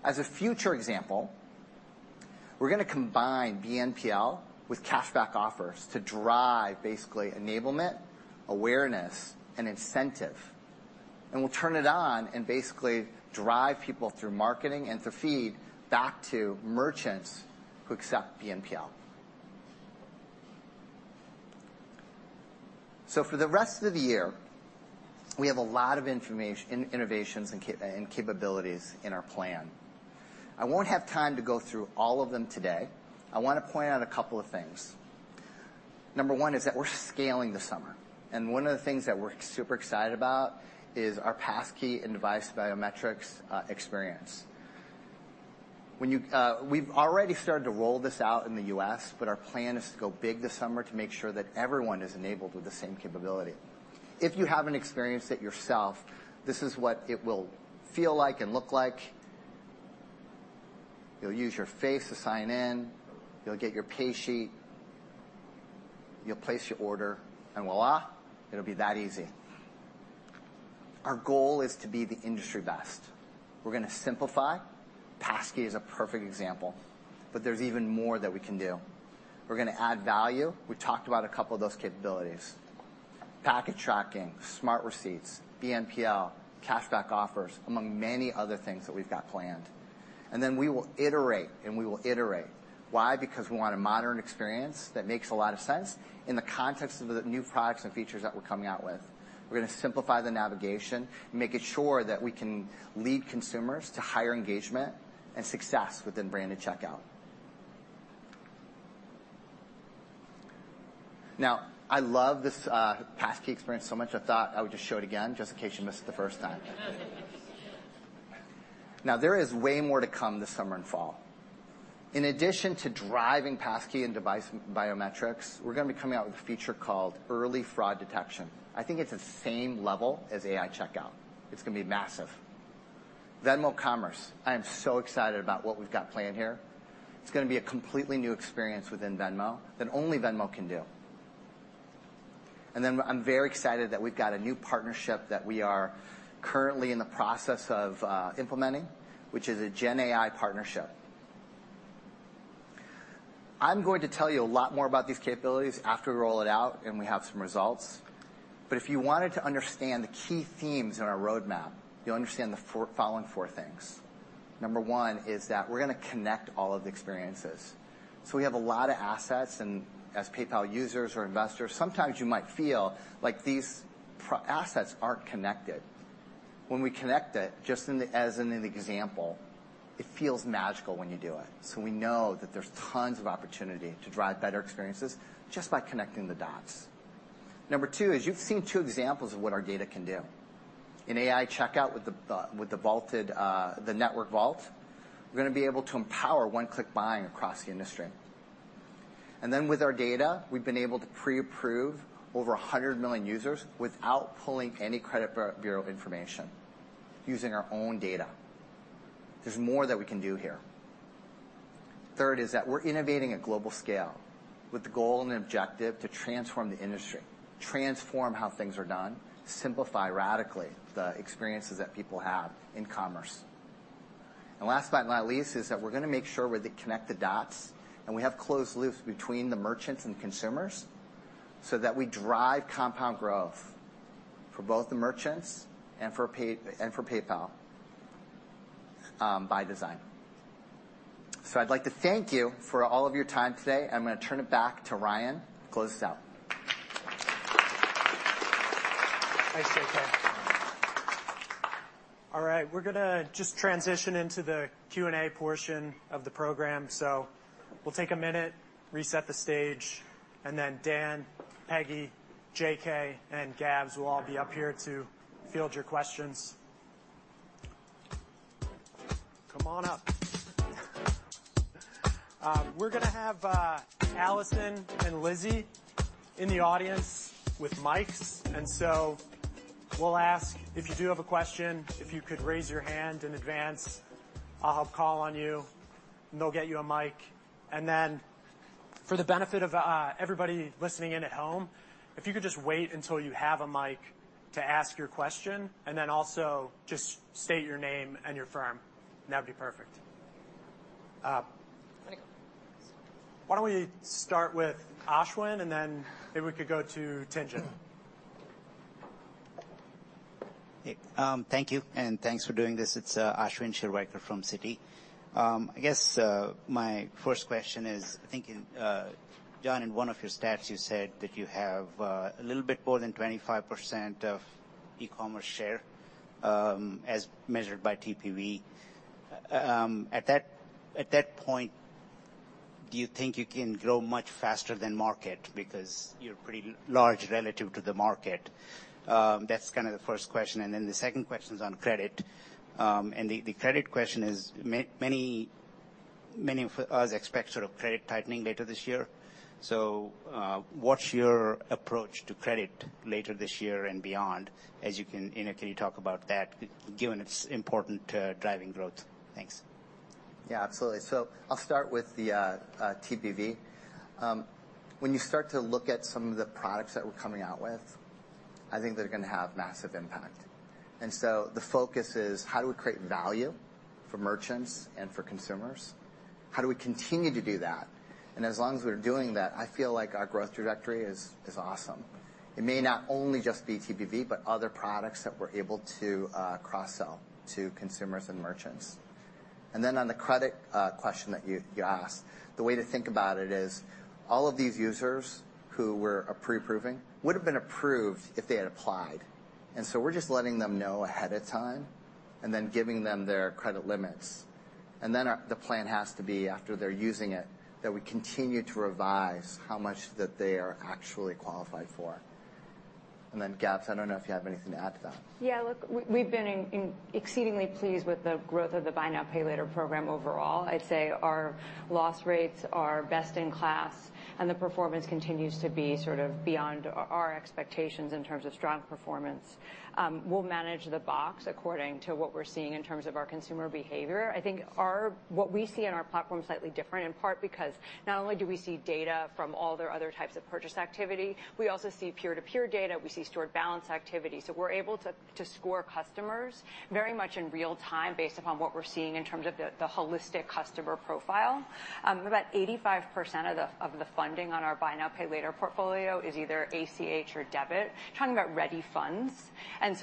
As a future example, we're gonna combine BNPL with cashback offers to drive basically enablement, awareness, and incentive. We'll turn it on and basically drive people through marketing and through feed back to merchants who accept BNPL. For the rest of the year, we have a lot of innovations and capabilities in our plan. I won't have time to go through all of them today. I want to point out a couple of things. Number one is that we're scaling this summer, and one of the things that we're super excited about is our passkey and device biometrics experience. We've already started to roll this out in the US, but our plan is to go big this summer to make sure that everyone is enabled with the same capability. If you haven't experienced it yourself, this is what it will feel like and look like. You'll use your face to sign in, you'll get your paysheet, you'll place your order, and voila, it'll be that easy. Our goal is to be the industry best. We're gonna simplify. passkey is a perfect example, but there's even more that we can do. We're gonna add value. We've talked about a couple of those capabilities, package tracking, smart receipts, BNPL, cashback offers, among many other things that we've got planned. We will iterate, and we will iterate. Why? Because we want a modern experience that makes a lot of sense in the context of the new products and features that we're coming out with. We're gonna simplify the navigation, making sure that we can lead consumers to higher engagement, and success within branded checkout. I love this passkey experience so much, I thought I would just show it again, just in case you missed it the first time. There is way more to come this summer and fall. In addition to driving passkey and device biometrics, we're gonna be coming out with a feature called Early Fraud Detection. I think it's the same level as AI checkout. It's gonna be massive. Venmo Commerce, I am so excited about what we've got planned here. It's gonna be a completely new experience within Venmo, that only Venmo can do. Then I'm very excited that we've got a new partnership that we are currently in the process of implementing, which is a GenAI partnership. I'm going to tell you a lot more about these capabilities after we roll it out and we have some results. If you wanted to understand the key themes in our roadmap, you'll understand the following four things. Number one is that we're gonna connect all of the experiences. We have a lot of assets, and as PayPal users or investors, sometimes you might feel like these assets aren't connected. When we connect it, just as in an example, it feels magical when you do it. We know that there's tons of opportunity to drive better experiences just by connecting the dots. Number two is, you've seen two examples of what our data can do. In AI checkout, with the vaulted network vault, we're gonna be able to empower one-click buying across the industry. Then, with our data, we've been able to pre-approve over 100 million users without pulling any credit bureau information, using our own data. There's more that we can do here. Third is that we're innovating at global scale, with the goal and objective to transform the industry, transform how things are done, simplify radically, the experiences that people have in commerce. Last but not least, is that we're gonna make sure we connect the dots, and we have closed loops between the merchants and consumers, so that we drive compound growth for both the merchants and for PayPal by design. I'd like to thank you for all of your time today, and I'm gonna turn it back to Ryan to close us out. Thanks, J.K. We're gonna just transition into the Q&A portion of the program. We'll take a minute, reset the stage, and then Dan, Peggy, J.K., and Gabs will all be up here to field your questions. Come on up. We're gonna have Allison and Lizzie in the audience with mics, and so we'll ask, if you do have a question, if you could raise your hand in advance, I'll call on you, and they'll get you a mic. For the benefit of everybody listening in at home, if you could just wait until you have a mic to ask your question, and then also just state your name and your firm. That'd be perfect. Why don't we start with Ashwin, and then maybe we could go to Tien-Tsin? Thank you, and thanks for doing this. It's Ashwin Shirvaikar from Citi. I guess my first question is: I think John, in one of your stats, you said that you have a little bit more than 25% of e-commerce share, as measured by TPV. At that point, do you think you can grow much faster than market? You're pretty large relative to the market. That's kind of the first question. The second question is on credit. The credit question is, many of us expect sort of credit tightening later this year. What's your approach to credit later this year and beyond? You know, can you talk about that, given it's important to driving growth? Thanks. Yeah, absolutely. I'll start with the TPV. When you start to look at some of the products that we're coming out with, I think they're gonna have massive impact. The focus is: how do we create value for merchants and for consumers? How do we continue to do that? As long as we're doing that, I feel like our growth trajectory is awesome. It may not only just be TPV, but other products that we're able to cross-sell to consumers and merchants. On the credit question that you asked, the way to think about it is, all of these users who we're pre-approving would have been approved if they had applied. We're just letting them know ahead of time and then giving them their credit limits. The plan has to be, after they're using it, that we continue to revise how much that they are actually qualified for. Gabs, I don't know if you have anything to add to that. Yeah, look, we've been exceedingly pleased with the growth of the Buy Now, Pay Later program overall. I'd say our loss rates are best-in-class, and the performance continues to be sort of beyond our expectations in terms of strong performance. We'll manage the box according to what we're seeing in terms of our consumer behavior. I think our what we see in our platform is slightly different, in part because not only do we see data from all their other types of purchase activity, we also see P2P data, we see stored balance activity. So we're able to score customers very much in real time, based upon what we're seeing in terms of the holistic customer profile. About 85% of the, of the funding on our Buy Now, Pay Later portfolio is either ACH or debit, talking about ready funds. In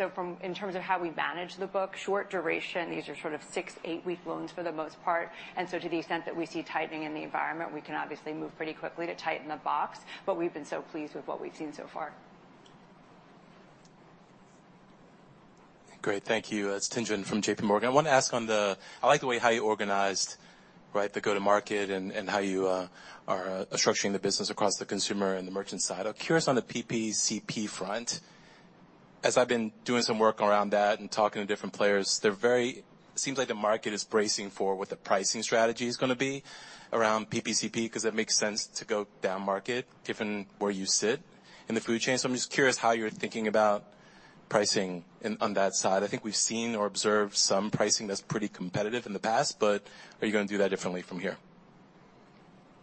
terms of how we manage the book, short duration, these are sort of six, eight week loans for the most part, and so to the extent that we see tightening in the environment, we can obviously move pretty quickly to tighten the box, but we've been so pleased with what we've seen so far. Great. Thank you. It's Tien-Tsin from JPMorgan. I want to ask on the... I like the way how you organized, right, the go-to-market and how you are structuring the business across the consumer and the merchant side. I'm curious on the PPCP front. As I've been doing some work around that and talking to different players, seems like the market is bracing for what the pricing strategy is gonna be around PPCP because it makes sense to go downmarket, given where you sit in the food chain. I'm just curious how you're thinking about pricing on that side. I think we've seen or observed some pricing that's pretty competitive in the past, but are you gonna do that differently from here?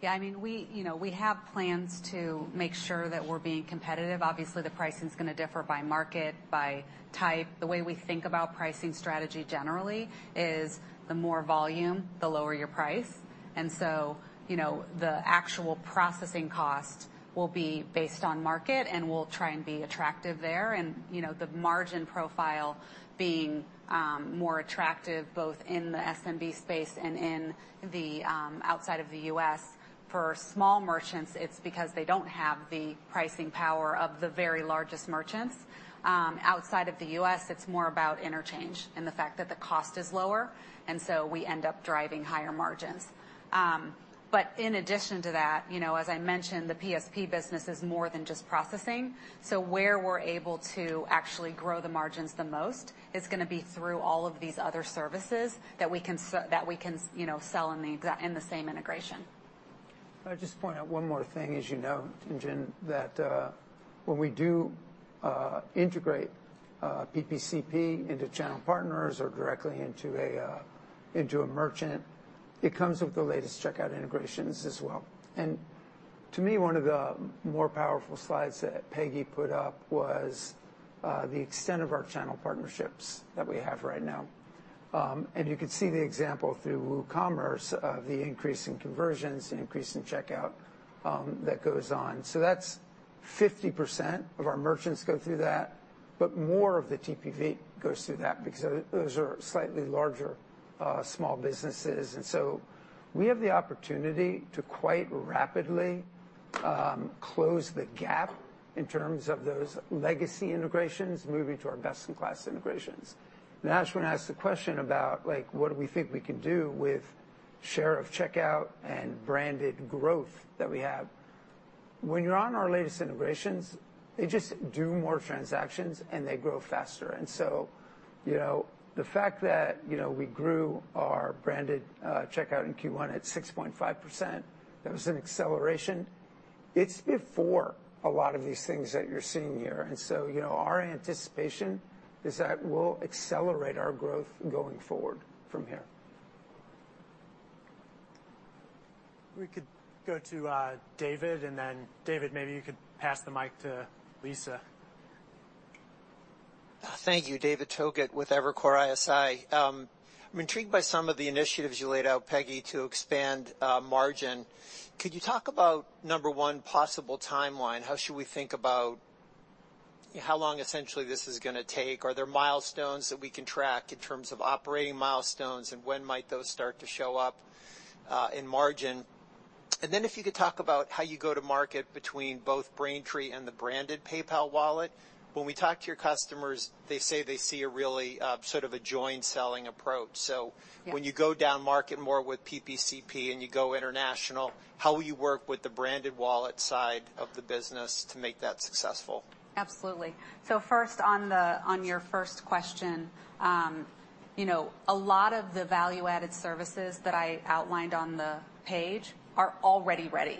Yeah, I mean, we, you know, we have plans to make sure that we're being competitive. Obviously, the pricing is gonna differ by market, by type. The way we think about pricing strategy generally is the more volume, the lower your price. The actual processing cost will be based on market, and we'll try and be attractive there. The margin profile being more attractive, both in the SMB space and in the outside of the U.S. For small merchants, it's because they don't have the pricing power of the very largest merchants. Outside of the U.S., it's more about interchange and the fact that the cost is lower, and so we end up driving higher margins. In addition to that, as I mentioned, the PSP business is more than just processing. Where we're able to actually grow the margins the most is gonna be through all of these other services that we can, you know, sell in the same integration. I'll just point out one more thing. As you know, Tien-Tsin, that when we do integrate PPCP into channel partners or directly into a merchant, it comes with the latest checkout integrations as well. To me, one of the more powerful slides that Peggy put up was the extent of our channel partnerships that we have right now. You could see the example through WooCommerce of the increase in conversions and increase in checkout that goes on. That's 50% of our merchants go through that, but more of the TPV goes through that because those are slightly larger small businesses. We have the opportunity to quite rapidly close the gap in terms of those legacy integrations, moving to our best-in-class integrations. Ashwin asked the question about, like, what do we think we can do with share of checkout and branded growth that we have? When you're on our latest integrations, they just do more transactions, and they grow faster. You know, the fact that, you know, we grew our branded checkout in Q1 at 6.5%, that was an acceleration. It's before a lot of these things that you're seeing here. You know, our anticipation is that we'll accelerate our growth going forward from here. We could go to, David, and then, David, maybe you could pass the mic to Lisa. Thank you. David Togut with Evercore ISI. I'm intrigued by some of the initiatives you laid out, Peggy, to expand margin. Could you talk about, number one, possible timeline? How should we think about how long, essentially, this is gonna take? Are there milestones that we can track in terms of operating milestones, and when might those start to show up in margin? If you could talk about how you go to market between both Braintree and the branded PayPal wallet. When we talk to your customers, they say they see a really sort of a joint selling approach. Yeah. When you go downmarket more with PPCP and you go international, how will you work with the branded wallet side of the business to make that successful? Absolutely. First, on the, on your first question, you know, a lot of the value-added services that I outlined on the page are already ready.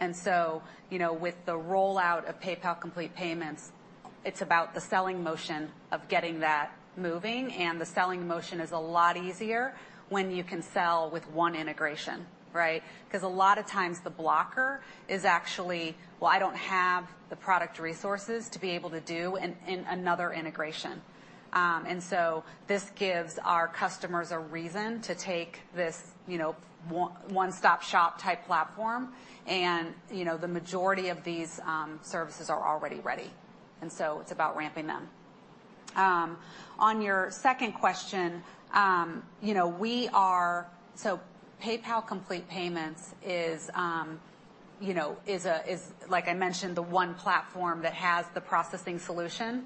You know, with the rollout of PayPal Complete Payments, it's about the selling motion of getting that moving, and the selling motion is a lot easier when you can sell with one integration, right? Because a lot of times the blocker is actually, well, I don't have the product resources to be able to do another integration. This gives our customers a reason to take this, you know, one-stop shop type platform. You know, the majority of these services are already ready, it's about ramping them. On your second question, you know, we are... PayPal Complete Payments is, you know, like I mentioned, the one platform that has the processing solution.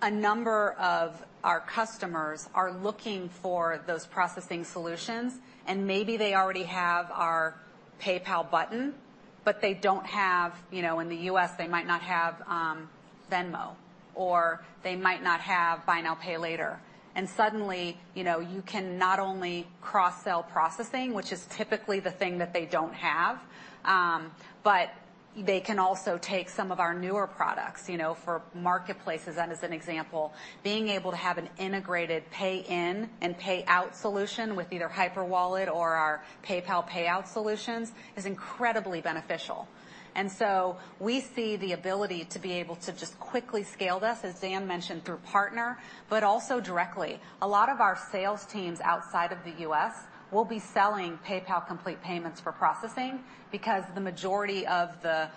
A number of our customers are looking for those processing solutions, and maybe they already have our PayPal button, but they don't have, you know, in the U.S., they might not have Venmo, or they might not have Buy Now, Pay Later. Suddenly, you know, you can not only cross-sell processing, which is typically the thing that they don't have, but they can also take some of our newer products, you know, for marketplaces, and as an example, being able to have an integrated pay in and pay out solution with either Hyperwallet or our PayPal payout solutions is incredibly beneficial. We see the ability to be able to just quickly scale this, as Dan mentioned, through partner, but also directly. A lot of our sales teams outside of the U.S. will be selling PayPal Complete Payments for processing, because the majority of the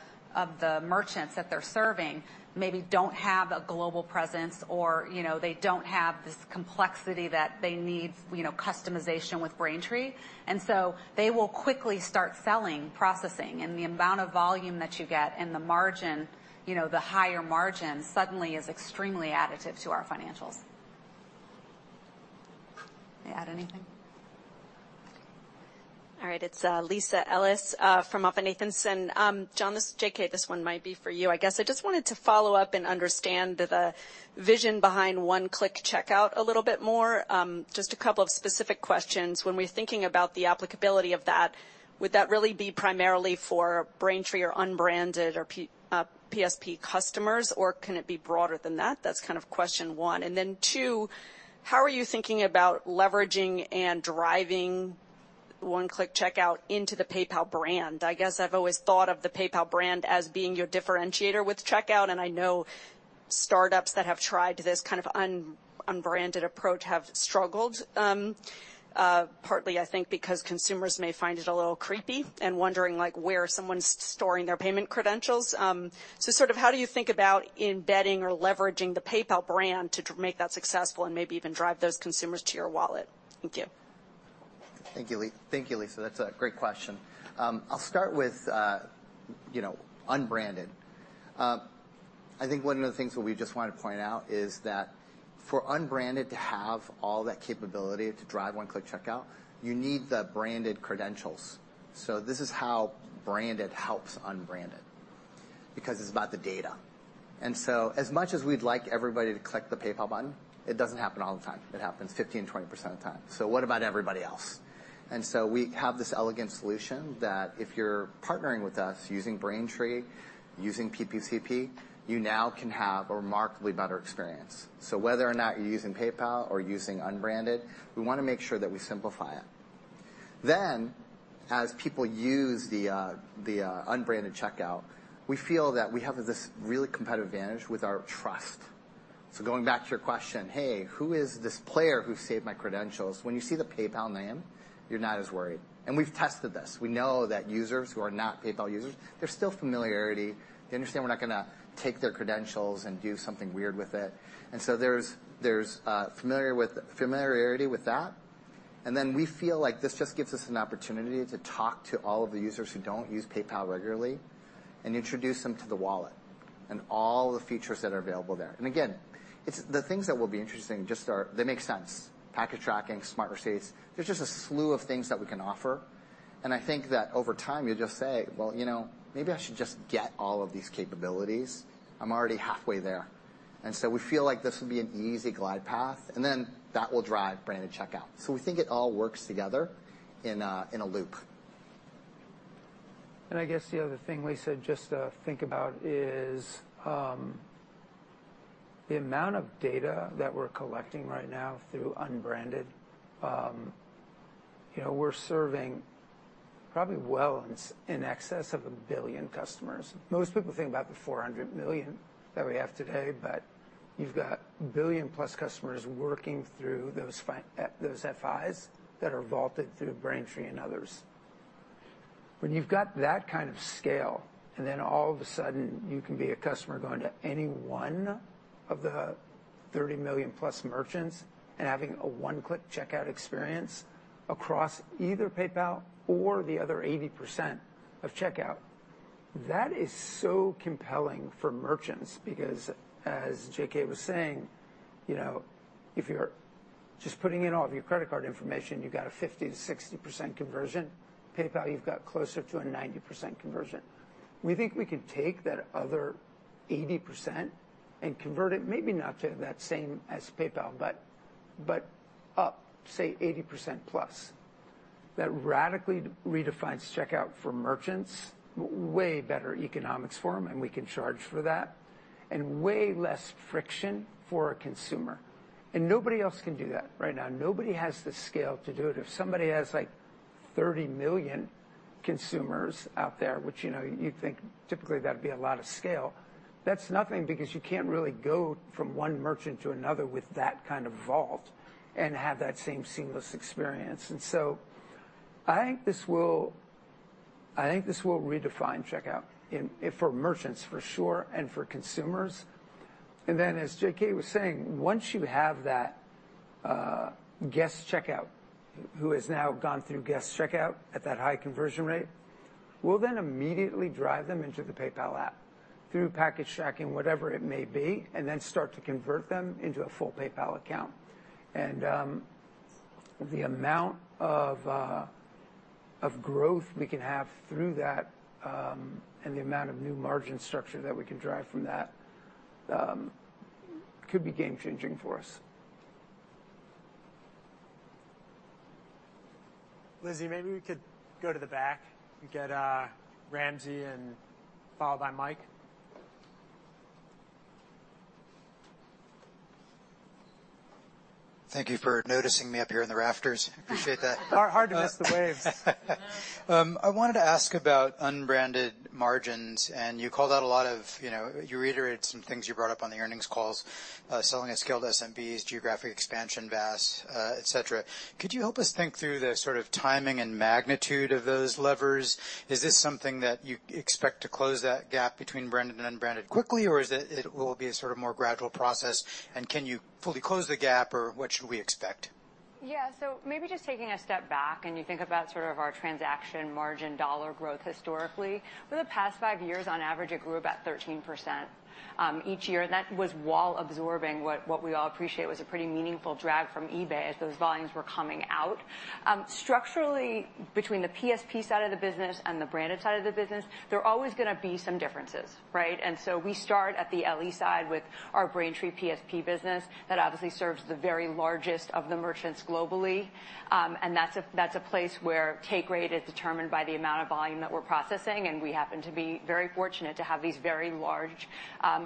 merchants that they're serving maybe don't have a global presence, or, you know, they don't have this complexity that they need, you know, customization with Braintree. They will quickly start selling, processing, and the amount of volume that you get and the margin, you know, the higher margin, suddenly is extremely additive to our financials. May I add anything? All right. It's Lisa Ellis from MoffettNathanson. John, J.K., this one might be for you, I guess. I just wanted to follow up and understand the vision behind one-click checkout a little bit more. Just a couple of specific questions. When we're thinking about the applicability of that, would that really be primarily for Braintree or unbranded or PSP customers, or can it be broader than that? That's kind of question one. Two, how are you thinking about leveraging and driving one-click checkout into the PayPal brand? I guess I've always thought of the PayPal brand as being your differentiator with checkout, and I know startups that have tried this kind of unbranded approach have struggled. Partly, I think, because consumers may find it a little creepy and wondering, like, where someone's storing their payment credentials. Sort of how do you think about embedding or leveraging the PayPal brand to make that successful and maybe even drive those consumers to your wallet? Thank you. Thank you, Lisa. That's a great question. I'll start with, you know, unbranded. I think one of the things that we just want to point out is that for unbranded to have all that capability to drive one-click checkout, you need the branded credentials. This is how branded helps unbranded, because it's about the data. As much as we'd like everybody to click the PayPal button, it doesn't happen all the time. It happens 15%, 20% of the time. What about everybody else? We have this elegant solution that if you're partnering with us using Braintree, using PPCP, you now can have a remarkably better experience. Whether or not you're using PayPal or using unbranded, we wanna make sure that we simplify it. As people use the unbranded checkout, we feel that we have this really competitive advantage with our trust. Going back to your question, "Hey, who is this player who saved my credentials?" When you see the PayPal name, you're not as worried. We've tested this. We know that users who are not PayPal users, there's still familiarity. They understand we're not gonna take their credentials and do something weird with it. there's familiarity with that, we feel like this just gives us an opportunity to talk to all of the users who don't use PayPal regularly and introduce them to the wallet and all the features that are available there. Again, it's... The things that will be interesting just are, they make sense: package tracking, smart receipts. There's just a slew of things that we can offer, and I think that over time, you'll just say, "Well, you know, maybe I should just get all of these capabilities. I'm already halfway there." We feel like this will be an easy glide path, and then that will drive branded checkout. We think it all works together in a loop. I guess the other thing, Lisa, just to think about is the amount of data that we're collecting right now through unbranded. You know, we're serving probably well in excess of 1 billion customers. Most people think about the 400 million that we have today, but you've got 1 billion-plus customers working through those FIs that are vaulted through Braintree and others. When you've got that kind of scale, then all of a sudden you can be a customer going to any one of the 30 million-plus merchants and having a one-click checkout experience across either PayPal or the other 80% of checkout, that is so compelling for merchants because, as J.K. was saying, you know, if you're just putting in all of your credit card information, you've got a 50%-60% conversion. PayPal, you've got closer to a 90% conversion. We think we can take that other 80% and convert it, maybe not to that same as PayPal, but up, say, 80%+. That radically redefines checkout for merchants, way better economics for them, and we can charge for that, and way less friction for a consumer. Nobody else can do that right now. Nobody has the scale to do it. If somebody has, like, 30 million consumers out there, which, you know, you'd think typically that'd be a lot of scale, that's nothing because you can't really go from one merchant to another with that kind of vault and have that same seamless experience. I think this will redefine checkout in, for merchants, for sure, and for consumers. As J.K. was saying, once you have that guest checkout, who has now gone through guest checkout at that high conversion rate, we'll then immediately drive them into the PayPal app through package tracking, whatever it may be, and then start to convert them into a full PayPal account. The amount of growth we can have through that, and the amount of new margin structure that we can drive from that, could be game-changing for us. Lizzie, maybe we could go to the back and get, Ramsey and followed by Mike. Thank you for noticing me up here in the rafters. Appreciate that. Hard, hard to miss the waves. I wanted to ask about unbranded margins. You called out a lot of. You reiterated some things you brought up on the earnings calls, selling a scaled SMBs, geographic expansion, VAS, et cetera. Could you help us think through the sort of timing and magnitude of those levers? Is this something that you expect to close that gap between branded and unbranded quickly, or it will be a sort of more gradual process, and can you fully close the gap, or what should we expect? You think about sort of our transaction margin dollar growth historically. For the past five years, on average, it grew about 13% each year, and that was while absorbing what we all appreciate was a pretty meaningful drag from eBay as those volumes were coming out. Structurally, between the PSP side of the business and the branded side of the business, there are always gonna be some differences, right? We start at the LE side with our Braintree PSP business that obviously serves the very largest of the merchants globally. That's a place where take rate is determined by the amount of volume that we're processing, and we happen to be very fortunate to have these very large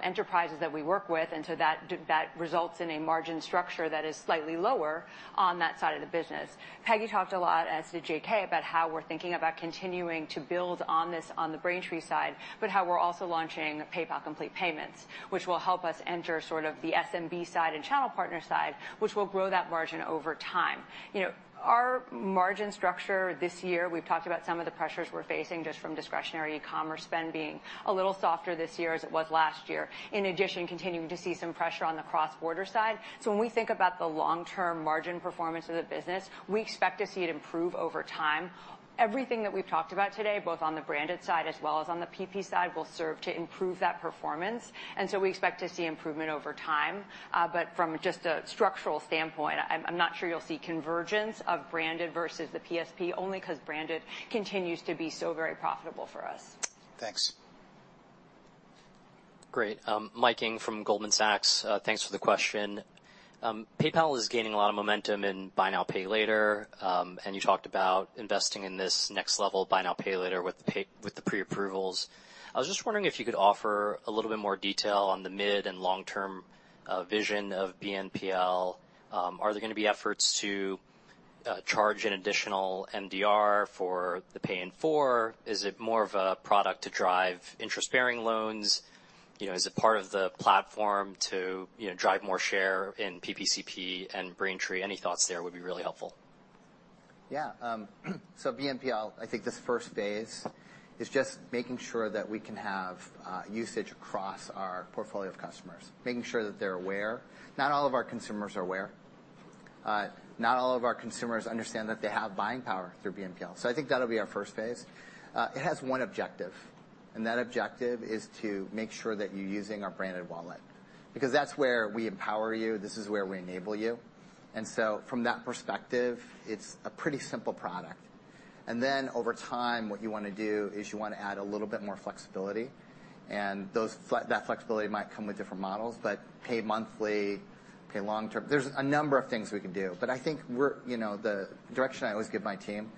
enterprises that we work with, and so that results in a margin structure that is slightly lower on that side of the business. Peggy Alford talked a lot, as did John Kim, about how we're thinking about continuing to build on this on the Braintree side, but how we're also launching PayPal Complete Payments, which will help us enter sort of the SMB side and channel partner side, which will grow that margin over time. You know, our margin structure this year, we've talked about some of the pressures we're facing just from discretionary e-commerce spend being a little softer this year as it was last year. In addition, continuing to see some pressure on the cross-border side. When we think about the long-term margin performance of the business, we expect to see it improve over time. Everything that we've talked about today, both on the branded side as well as on the PP side, will serve to improve that performance, and so we expect to see improvement over time. From just a structural standpoint, I'm not sure you'll see convergence of branded versus the PSP, only 'cause branded continues to be so very profitable for us. Thanks. Great. Mike Ng from Goldman Sachs. Thanks for the question. PayPal is gaining a lot of momentum in buy now, pay later, and you talked about investing in this next level buy now, pay later with the pre-approvals. I was just wondering if you could offer a little bit more detail on the mid and long-term vision of BNPL. Are there gonna be efforts to charge an additional MDR for the pay in four? Is it more of a product to drive interest-bearing loans? You know, is it part of the platform to, you know, drive more share in PPCP and Braintree? Any thoughts there would be really helpful. BNPL, I think this first phase is just making sure that we can have usage across our portfolio of customers, making sure that they're aware. Not all of our consumers are aware. Not all of our consumers understand that they have buying power through BNPL, so I think that'll be our first phase. It has one objective, and that objective is to make sure that you're using our branded wallet, because that's where we empower you, this is where we enable you. From that perspective, it's a pretty simple product. Over time, what you want to do is you want to add a little bit more flexibility, and that flexibility might come with different models, but pay monthly, pay long-term. There's a number of things we can do, but I think we're, you know, the direction I always give my team,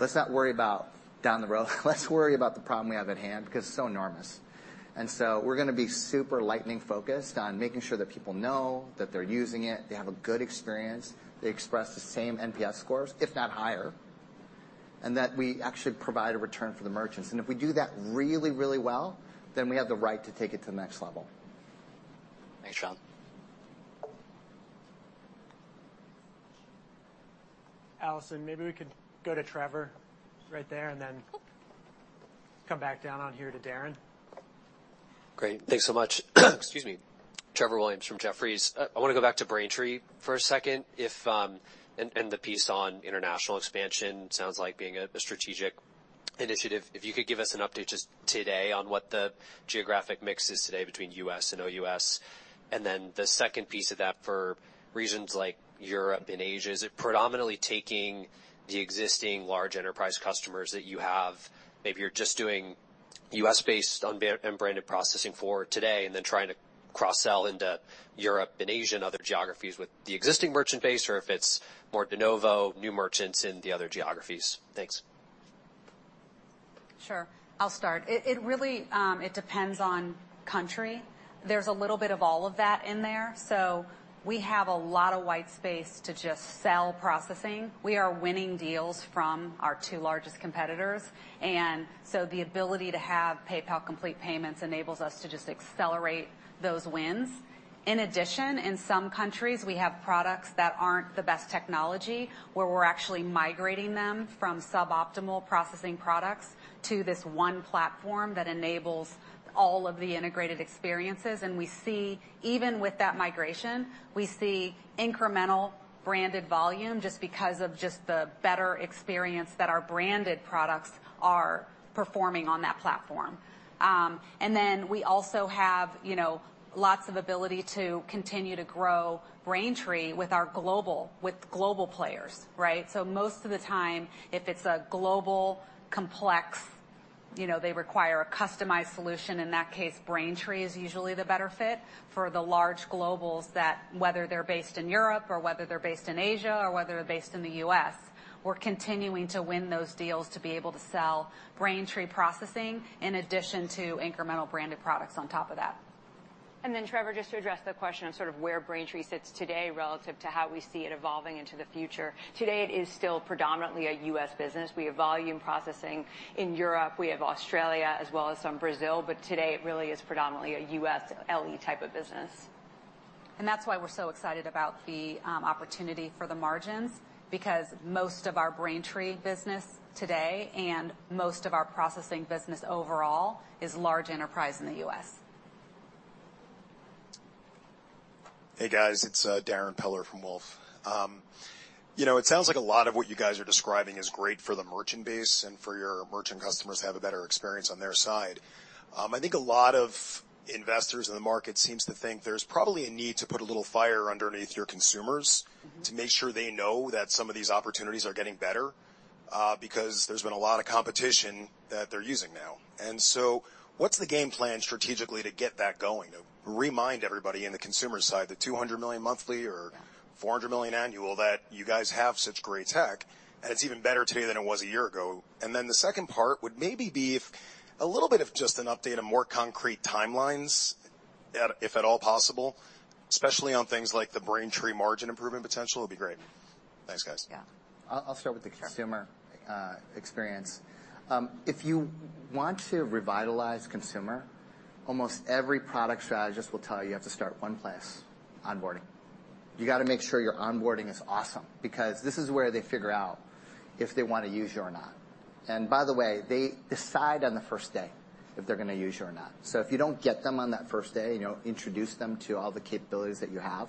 let's not worry about down the road. Let's worry about the problem we have at hand, because it's so enormous. We're gonna be super lightning focused on making sure that people know that they're using it, they have a good experience, they express the same NPS scores, if not higher, and that we actually provide a return for the merchants. If we do that really, really well, then we have the right to take it to the next level. Thanks, John. Allison, maybe we could go to Trevor right there, and then come back down on here to Darren. Great. Thanks so much. Excuse me. Trevor Williams from Jefferies. I wanna go back to Braintree for a second, if, and the piece on international expansion sounds like being a strategic initiative. If you could give us an update just today on what the geographic mix is today between U.S. and OUS. Then the second piece of that, for regions like Europe and Asia, is it predominantly taking the existing large enterprise customers that you have? Maybe you're just doing U.S.-based unbranded processing for today, and then trying to cross-sell into Europe and Asia and other geographies with the existing merchant base, or if it's more de novo, new merchants in the other geographies. Thanks. Sure. I'll start. It really depends on country. There's a little bit of all of that in there. We have a lot of white space to just sell processing. We are winning deals from our two largest competitors. The ability to have PayPal Complete Payments enables us to just accelerate those wins. In addition, in some countries, we have products that aren't the best technology, where we're actually migrating them from suboptimal processing products to this one platform that enables all of the integrated experiences. We see, even with that migration, we see incremental branded volume just because of the better experience that our branded products are performing on that platform. We also have, you know, lots of ability to continue to grow Braintree with global players, right? Most of the time, if it's a global, complex, you know, they require a customized solution, in that case, Braintree is usually the better fit for the large globals that, whether they're based in Europe, or whether they're based in Asia, or whether they're based in the US, we're continuing to win those deals to be able to sell Braintree processing, in addition to incremental branded products on top of that. Trevor, just to address the question of sort of where Braintree sits today relative to how we see it evolving into the future. Today, it is still predominantly a U.S. business. We have volume processing in Europe, we have Australia, as well as some Brazil, but today it really is predominantly a U.S. LE type of business. That's why we're so excited about the opportunity for the margins, because most of our Braintree business today and most of our processing business overall is large enterprise in the U.S. Hey, guys, it's Darrin Peller from Wolfe. You know, it sounds like a lot of what you guys are describing is great for the merchant base and for your merchant customers to have a better experience on their side. I think a lot of investors in the market seems to think there's probably a need to put a little fire underneath your consumers. Mm-hmm. to make sure they know that some of these opportunities are getting better, because there's been a lot of competition that they're using now. What's the game plan strategically to get that going, to remind everybody in the consumer side, the 200 million monthly. Yeah $400 million annual, that you guys have such great tech, and it's even better today than it was a year ago? The second part would maybe be if a little bit of just an update on more concrete timelines, at, if at all possible, especially on things like the Braintree margin improvement potential, would be great. Thanks, guys. Yeah. I'll start with the consumer- Sure. Experience. If you want to revitalize consumer, almost every product strategist will tell you have to start one place: onboarding. You gotta make sure your onboarding is awesome because this is where they figure out if they wanna use you or not. By the way, they decide on the first day if they're gonna use you or not. If you don't get them on that first day, you know, introduce them to all the capabilities that you have,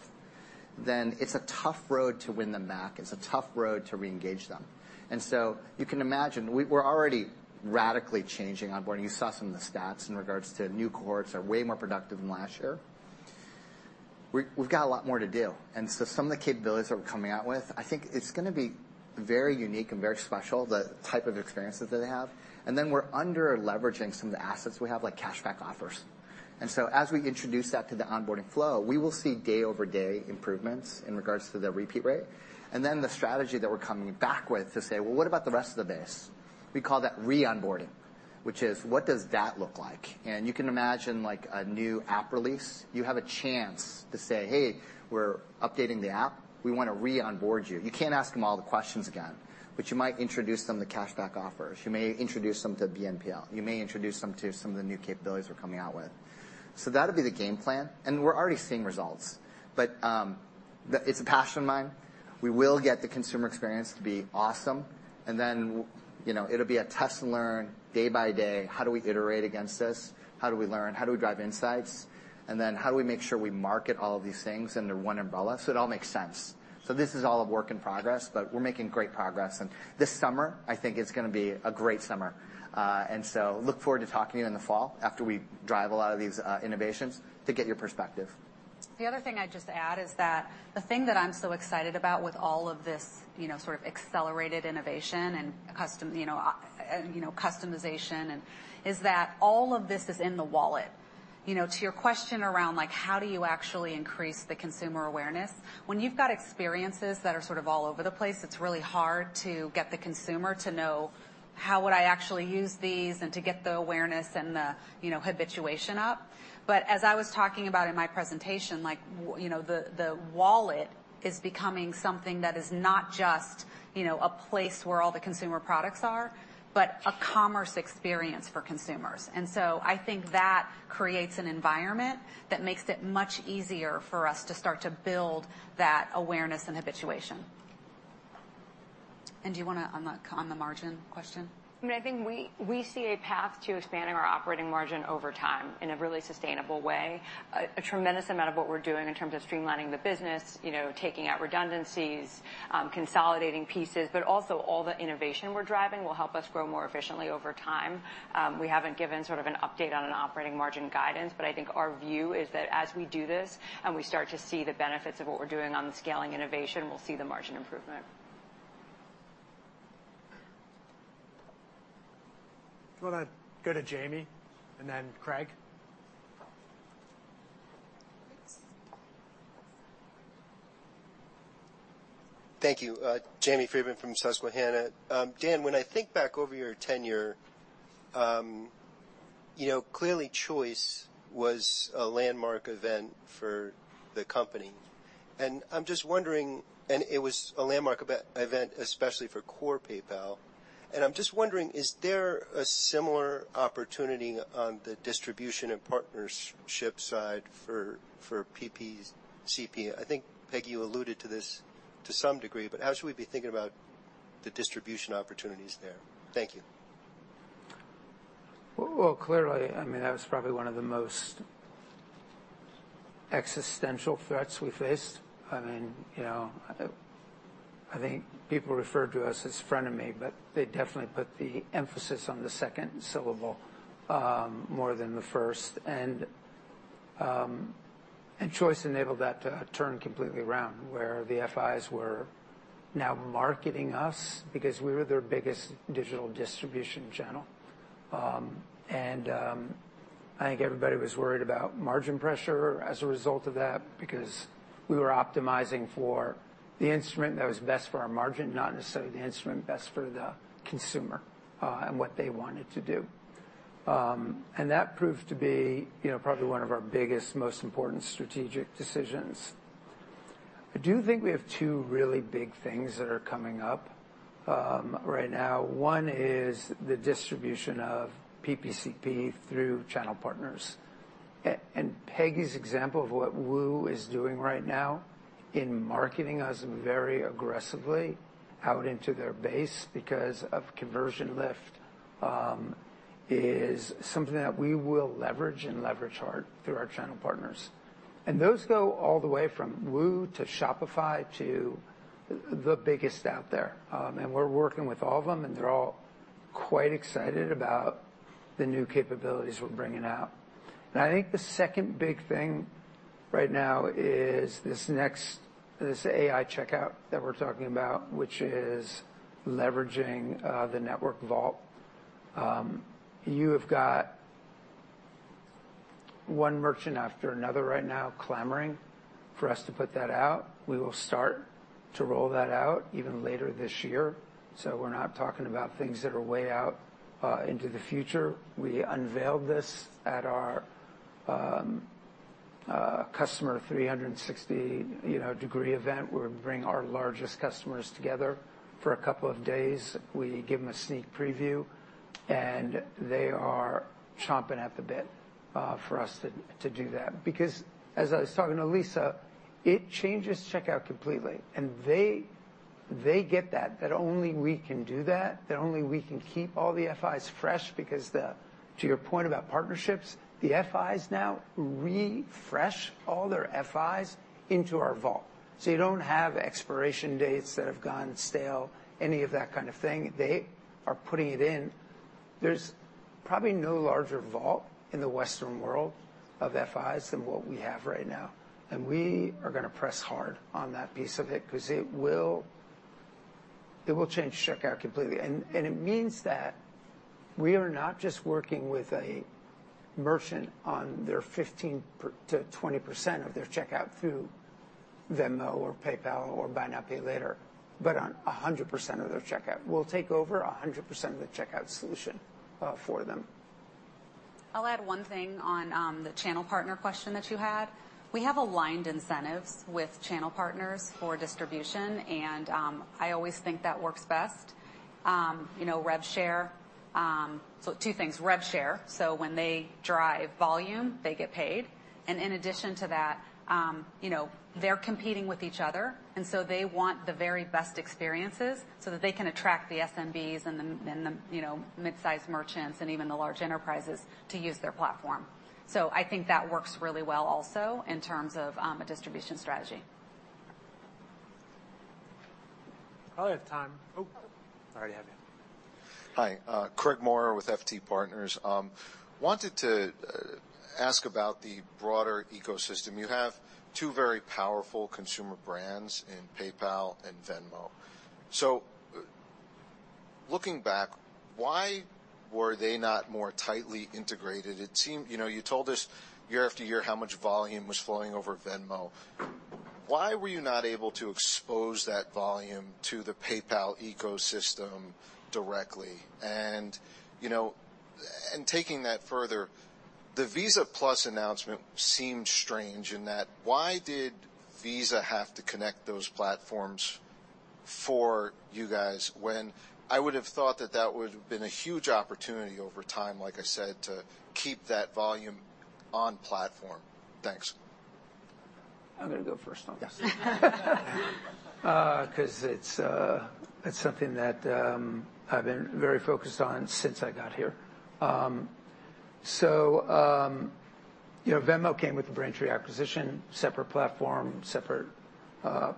then it's a tough road to win them back. It's a tough road to reengage them. You can imagine, we're already radically changing onboarding. You saw some of the stats in regards to new cohorts are way more productive than last year. We've got a lot more to do. Some of the capabilities that we're coming out with, I think it's gonna be very unique and very special, the type of experiences that they have. Then we're under-leveraging some of the assets we have, like cashback offers. As we introduce that to the onboarding flow, we will see day-over-day improvements in regards to the repeat rate. Then the strategy that we're coming back with to say: Well, what about the rest of the base? We call that re-onboarding, which is, what does that look like? You can imagine, like, a new app release. You have a chance to say, "Hey, we're updating the app. We want to re-onboard you." You can't ask them all the questions again, but you might introduce them to cashback offers. You may introduce them to BNPL. You may introduce them to some of the new capabilities we're coming out with. That'll be the game plan, and we're already seeing results, but it's a passion of mine. We will get the consumer experience to be awesome, you know, it'll be a test and learn, day by day, how do we iterate against this? How do we learn? How do we drive insights? How do we make sure we market all of these things under one umbrella so it all makes sense? This is all a work in progress, but we're making great progress. This summer, I think it's gonna be a great summer. Look forward to talking to you in the fall after we drive a lot of these innovations to get your perspective. The other thing I'd just add is that the thing that I'm so excited about with all of this, you know, sort of accelerated innovation and custom, you know, and, you know, customization is that all of this is in the wallet. You know, to your question around, like, how do you actually increase the consumer awareness, when you've got experiences that are sort of all over the place, it's really hard to get the consumer to know, how would I actually use these, and to get the awareness and the, you know, habituation up. As I was talking about in my presentation, like, you know, the wallet is becoming something that is not just, you know, a place where all the consumer products are, but a commerce experience for consumers. I think that creates an environment that makes it much easier for us to start to build that awareness and habituation. Do you wanna on the, on the margin question? I mean, I think we see a path to expanding our operating margin over time in a really sustainable way. A tremendous amount of what we're doing in terms of streamlining the business, you know, taking out redundancies, consolidating pieces, but also all the innovation we're driving will help us grow more efficiently over time. We haven't given sort of an update on an operating margin guidance, but I think our view is that as we do this and we start to see the benefits of what we're doing on the scaling innovation, we'll see the margin improvement. Do you wanna go to Jamie and then Craig? Thank you. Jamie Friedman from Susquehanna. Dan, when I think back over your tenure, you know, clearly, Choice was a landmark event for the company, I'm just wondering... It was a landmark event, especially for core PayPal. I'm just wondering, is there a similar opportunity on the distribution and partnership side for PPCP? I think, Peggy, you alluded to this to some degree, but how should we be thinking about the distribution opportunities there? Thank you. Well, clearly, I mean, that was probably one of the most existential threats we faced. I mean, you know, I think people referred to us as frenemy, but they definitely put the emphasis on the second syllable, more than the first. Choice enabled that to turn completely around, where the FIs were now marketing us because we were their biggest digital distribution channel. I think everybody was worried about margin pressure as a result of that because we were optimizing for the instrument that was best for our margin, not necessarily the instrument best for the consumer, and what they wanted to do. That proved to be, you know, probably one of our biggest, most important strategic decisions. I do think we have two really big things that are coming up right now. One is the distribution of PPCP through channel partners. Peggy's example of what Woo is doing right now in marketing us very aggressively out into their base because of conversion lift is something that we will leverage, and leverage hard through our channel partners. Those go all the way from Woo to Shopify to the biggest out there. We're working with all of them, and they're all quite excited about the new capabilities we're bringing out. I think the second big thing right now is this AI checkout that we're talking about, which is leveraging the network vault. You have got one merchant after another right now clamoring for us to put that out. We will start to roll that out even later this year. We're not talking about things that are way out into the future. We unveiled this at our C360 event, where we bring our largest customers together for a couple of days. We give them a sneak preview. They are chomping at the bit for us to do that. As I was talking to Lisa, it changes checkout completely. They get that only we can do that only we can keep all the FIs fresh. To your point about partnerships, the FIs now refresh all their FIs into our vault. You don't have expiration dates that have gone stale, any of that kind of thing. They are putting it in. There's probably no larger vault in the Western world of FIs than what we have right now, and we are gonna press hard on that piece of it, 'cause it will change checkout completely. It means that we are not just working with a merchant on their 15%-20% of their checkout through Venmo or PayPal or buy now, pay later, but on 100% of their checkout. We'll take over 100% of the checkout solution for them. I'll add one thing on the channel partner question that you had. We have aligned incentives with channel partners for distribution, and I always think that works best. you know, rev share. two things, rev share, so when they drive volume, they get paid, and in addition to that, you know, they're competing with each other, and so they want the very best experiences so that they can attract the SMBs and the, you know, mid-sized merchants and even the large enterprises to use their platform. I think that works really well also in terms of a distribution strategy. I have time. Oh, I already have you. Hi, Craig Maurer with FT Partners. Wanted to ask about the broader ecosystem. You have two very powerful consumer brands in PayPal and Venmo. Looking back, why were they not more tightly integrated? You know, you told us year after year how much volume was flowing over Venmo. Why were you not able to expose that volume to the PayPal ecosystem directly? You know, and taking that further, the Visa+ announcement seemed strange in that why did Visa have to connect those platforms for you guys, when I would've thought that that would've been a huge opportunity over time, like I said, to keep that volume on platform? Thanks. I'm gonna go first on this. 'Cause it's something that I've been very focused on since I got here. You know, Venmo came with the Braintree acquisition, separate platform, separate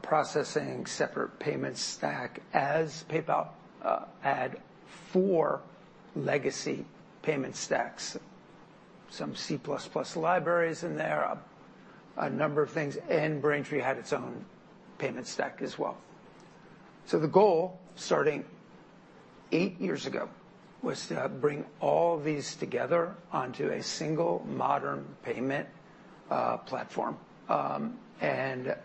processing, separate payment stack, as PayPal had four legacy payment stacks, some C++ libraries in there, a number of things, and Braintree had its own payment stack as well. The goal, starting eight years ago, was to bring all these together onto a single modern payment platform. It's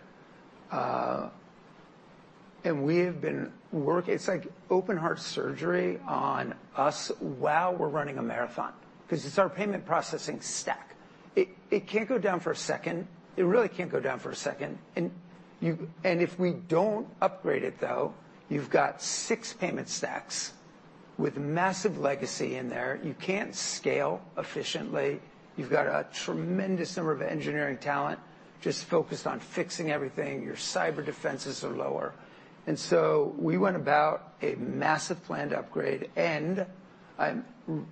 like open heart surgery on us while we're running a marathon, 'cause it's our payment processing stack. It can't go down for a second. It really can't go down for a second. If we don't upgrade it, though, you've got six payment stacks with massive legacy in there. You can't scale efficiently. You've got a tremendous number of engineering talent just focused on fixing everything. Your cyber defenses are lower. We went about a massive planned upgrade, and one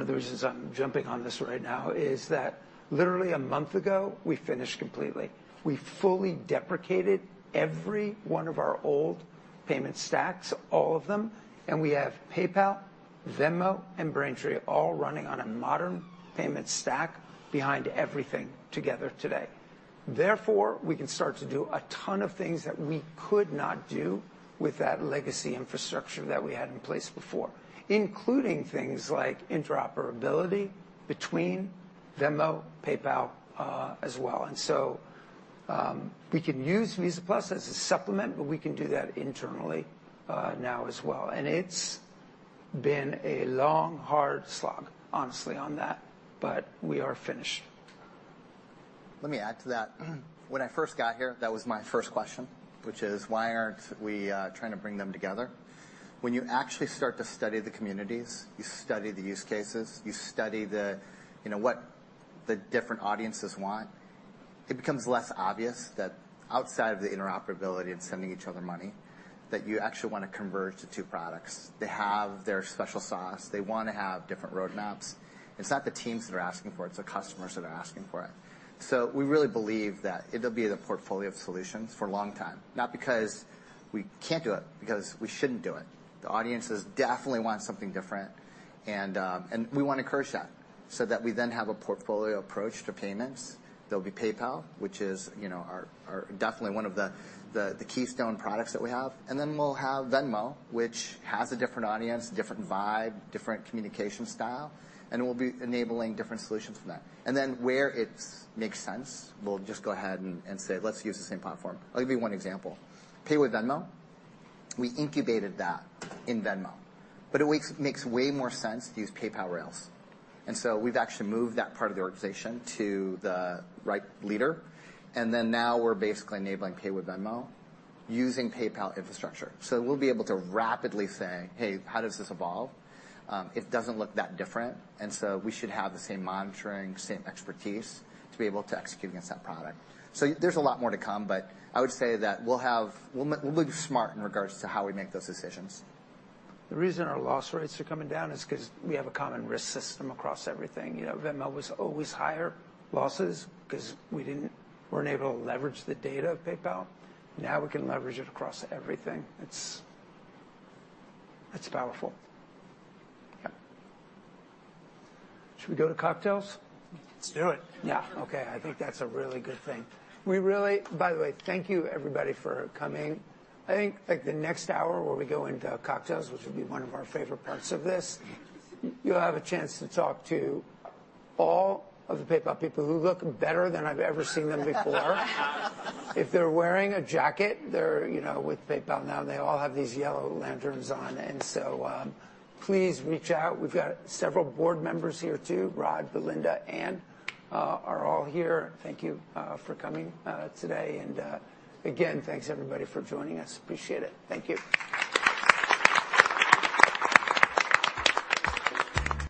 of the reasons I'm jumping on this right now is that literally a month ago, we finished completely. We fully deprecated every one of our old payment stacks, all of them, and we have PayPal, Venmo, and Braintree all running on a modern payment stack behind everything together today. Therefore, we can start to do a ton of things that we could not do with that legacy infrastructure that we had in place before, including things like interoperability between Venmo, PayPal, as well. We can use Visa+ as a supplement, but we can do that internally, now as well, and it's been a long, hard slog, honestly, on that, but we are finished. Let me add to that. When I first got here, that was my first question, which is, why aren't we trying to bring them together? When you actually start to study the communities, you study the use cases, you study the, you know, what the different audiences want, it becomes less obvious that outside of the interoperability of sending each other money, that you actually want to converge the two products. They have their special sauce. They want to have different roadmaps. It's not the teams that are asking for it's the customers that are asking for it. We really believe that it'll be the portfolio of solutions for a long time, not because we can't do it, because we shouldn't do it. The audiences definitely want something different, and we want to encourage that, so that we then have a portfolio approach to payments. There'll be PayPal, which is, you know, our definitely one of the keystone products that we have. We'll have Venmo, which has a different audience, different vibe, different communication style, and we'll be enabling different solutions from that. Where it's makes sense, we'll just go ahead and say, "Let's use the same platform." I'll give you one example: Pay with Venmo, we incubated that in Venmo, but it makes way more sense to use PayPal rails. We've actually moved that part of the organization to the right leader, and now we're basically enabling Pay with Venmo using PayPal infrastructure. We'll be able to rapidly say: Hey, how does this evolve? It doesn't look that different, and so we should have the same monitoring, same expertise to be able to execute against that product. There's a lot more to come, but I would say that we'll be smart in regards to how we make those decisions. The reason our loss rates are coming down is ’cause we have a common risk system across everything. You know, Venmo was always higher losses ’cause we weren't able to leverage the data of PayPal. Now we can leverage it across everything. It's powerful. Yeah. Should we go to cocktails? Let's do it. Yeah, okay. I think that's a really good thing. By the way, thank you, everybody, for coming. I think, like, the next hour, where we go into cocktails, which will be one of our favorite parts of this, you'll have a chance to talk to all of the PayPal people who look better than I've ever seen them before. If they're wearing a jacket, they're, you know, with PayPal now, and they all have these yellow lanterns on. Please reach out. We've got several board members here, too. Rod, Belinda, Ann are all here. Thank you for coming today. Again, thanks, everybody, for joining us. Appreciate it. Thank you.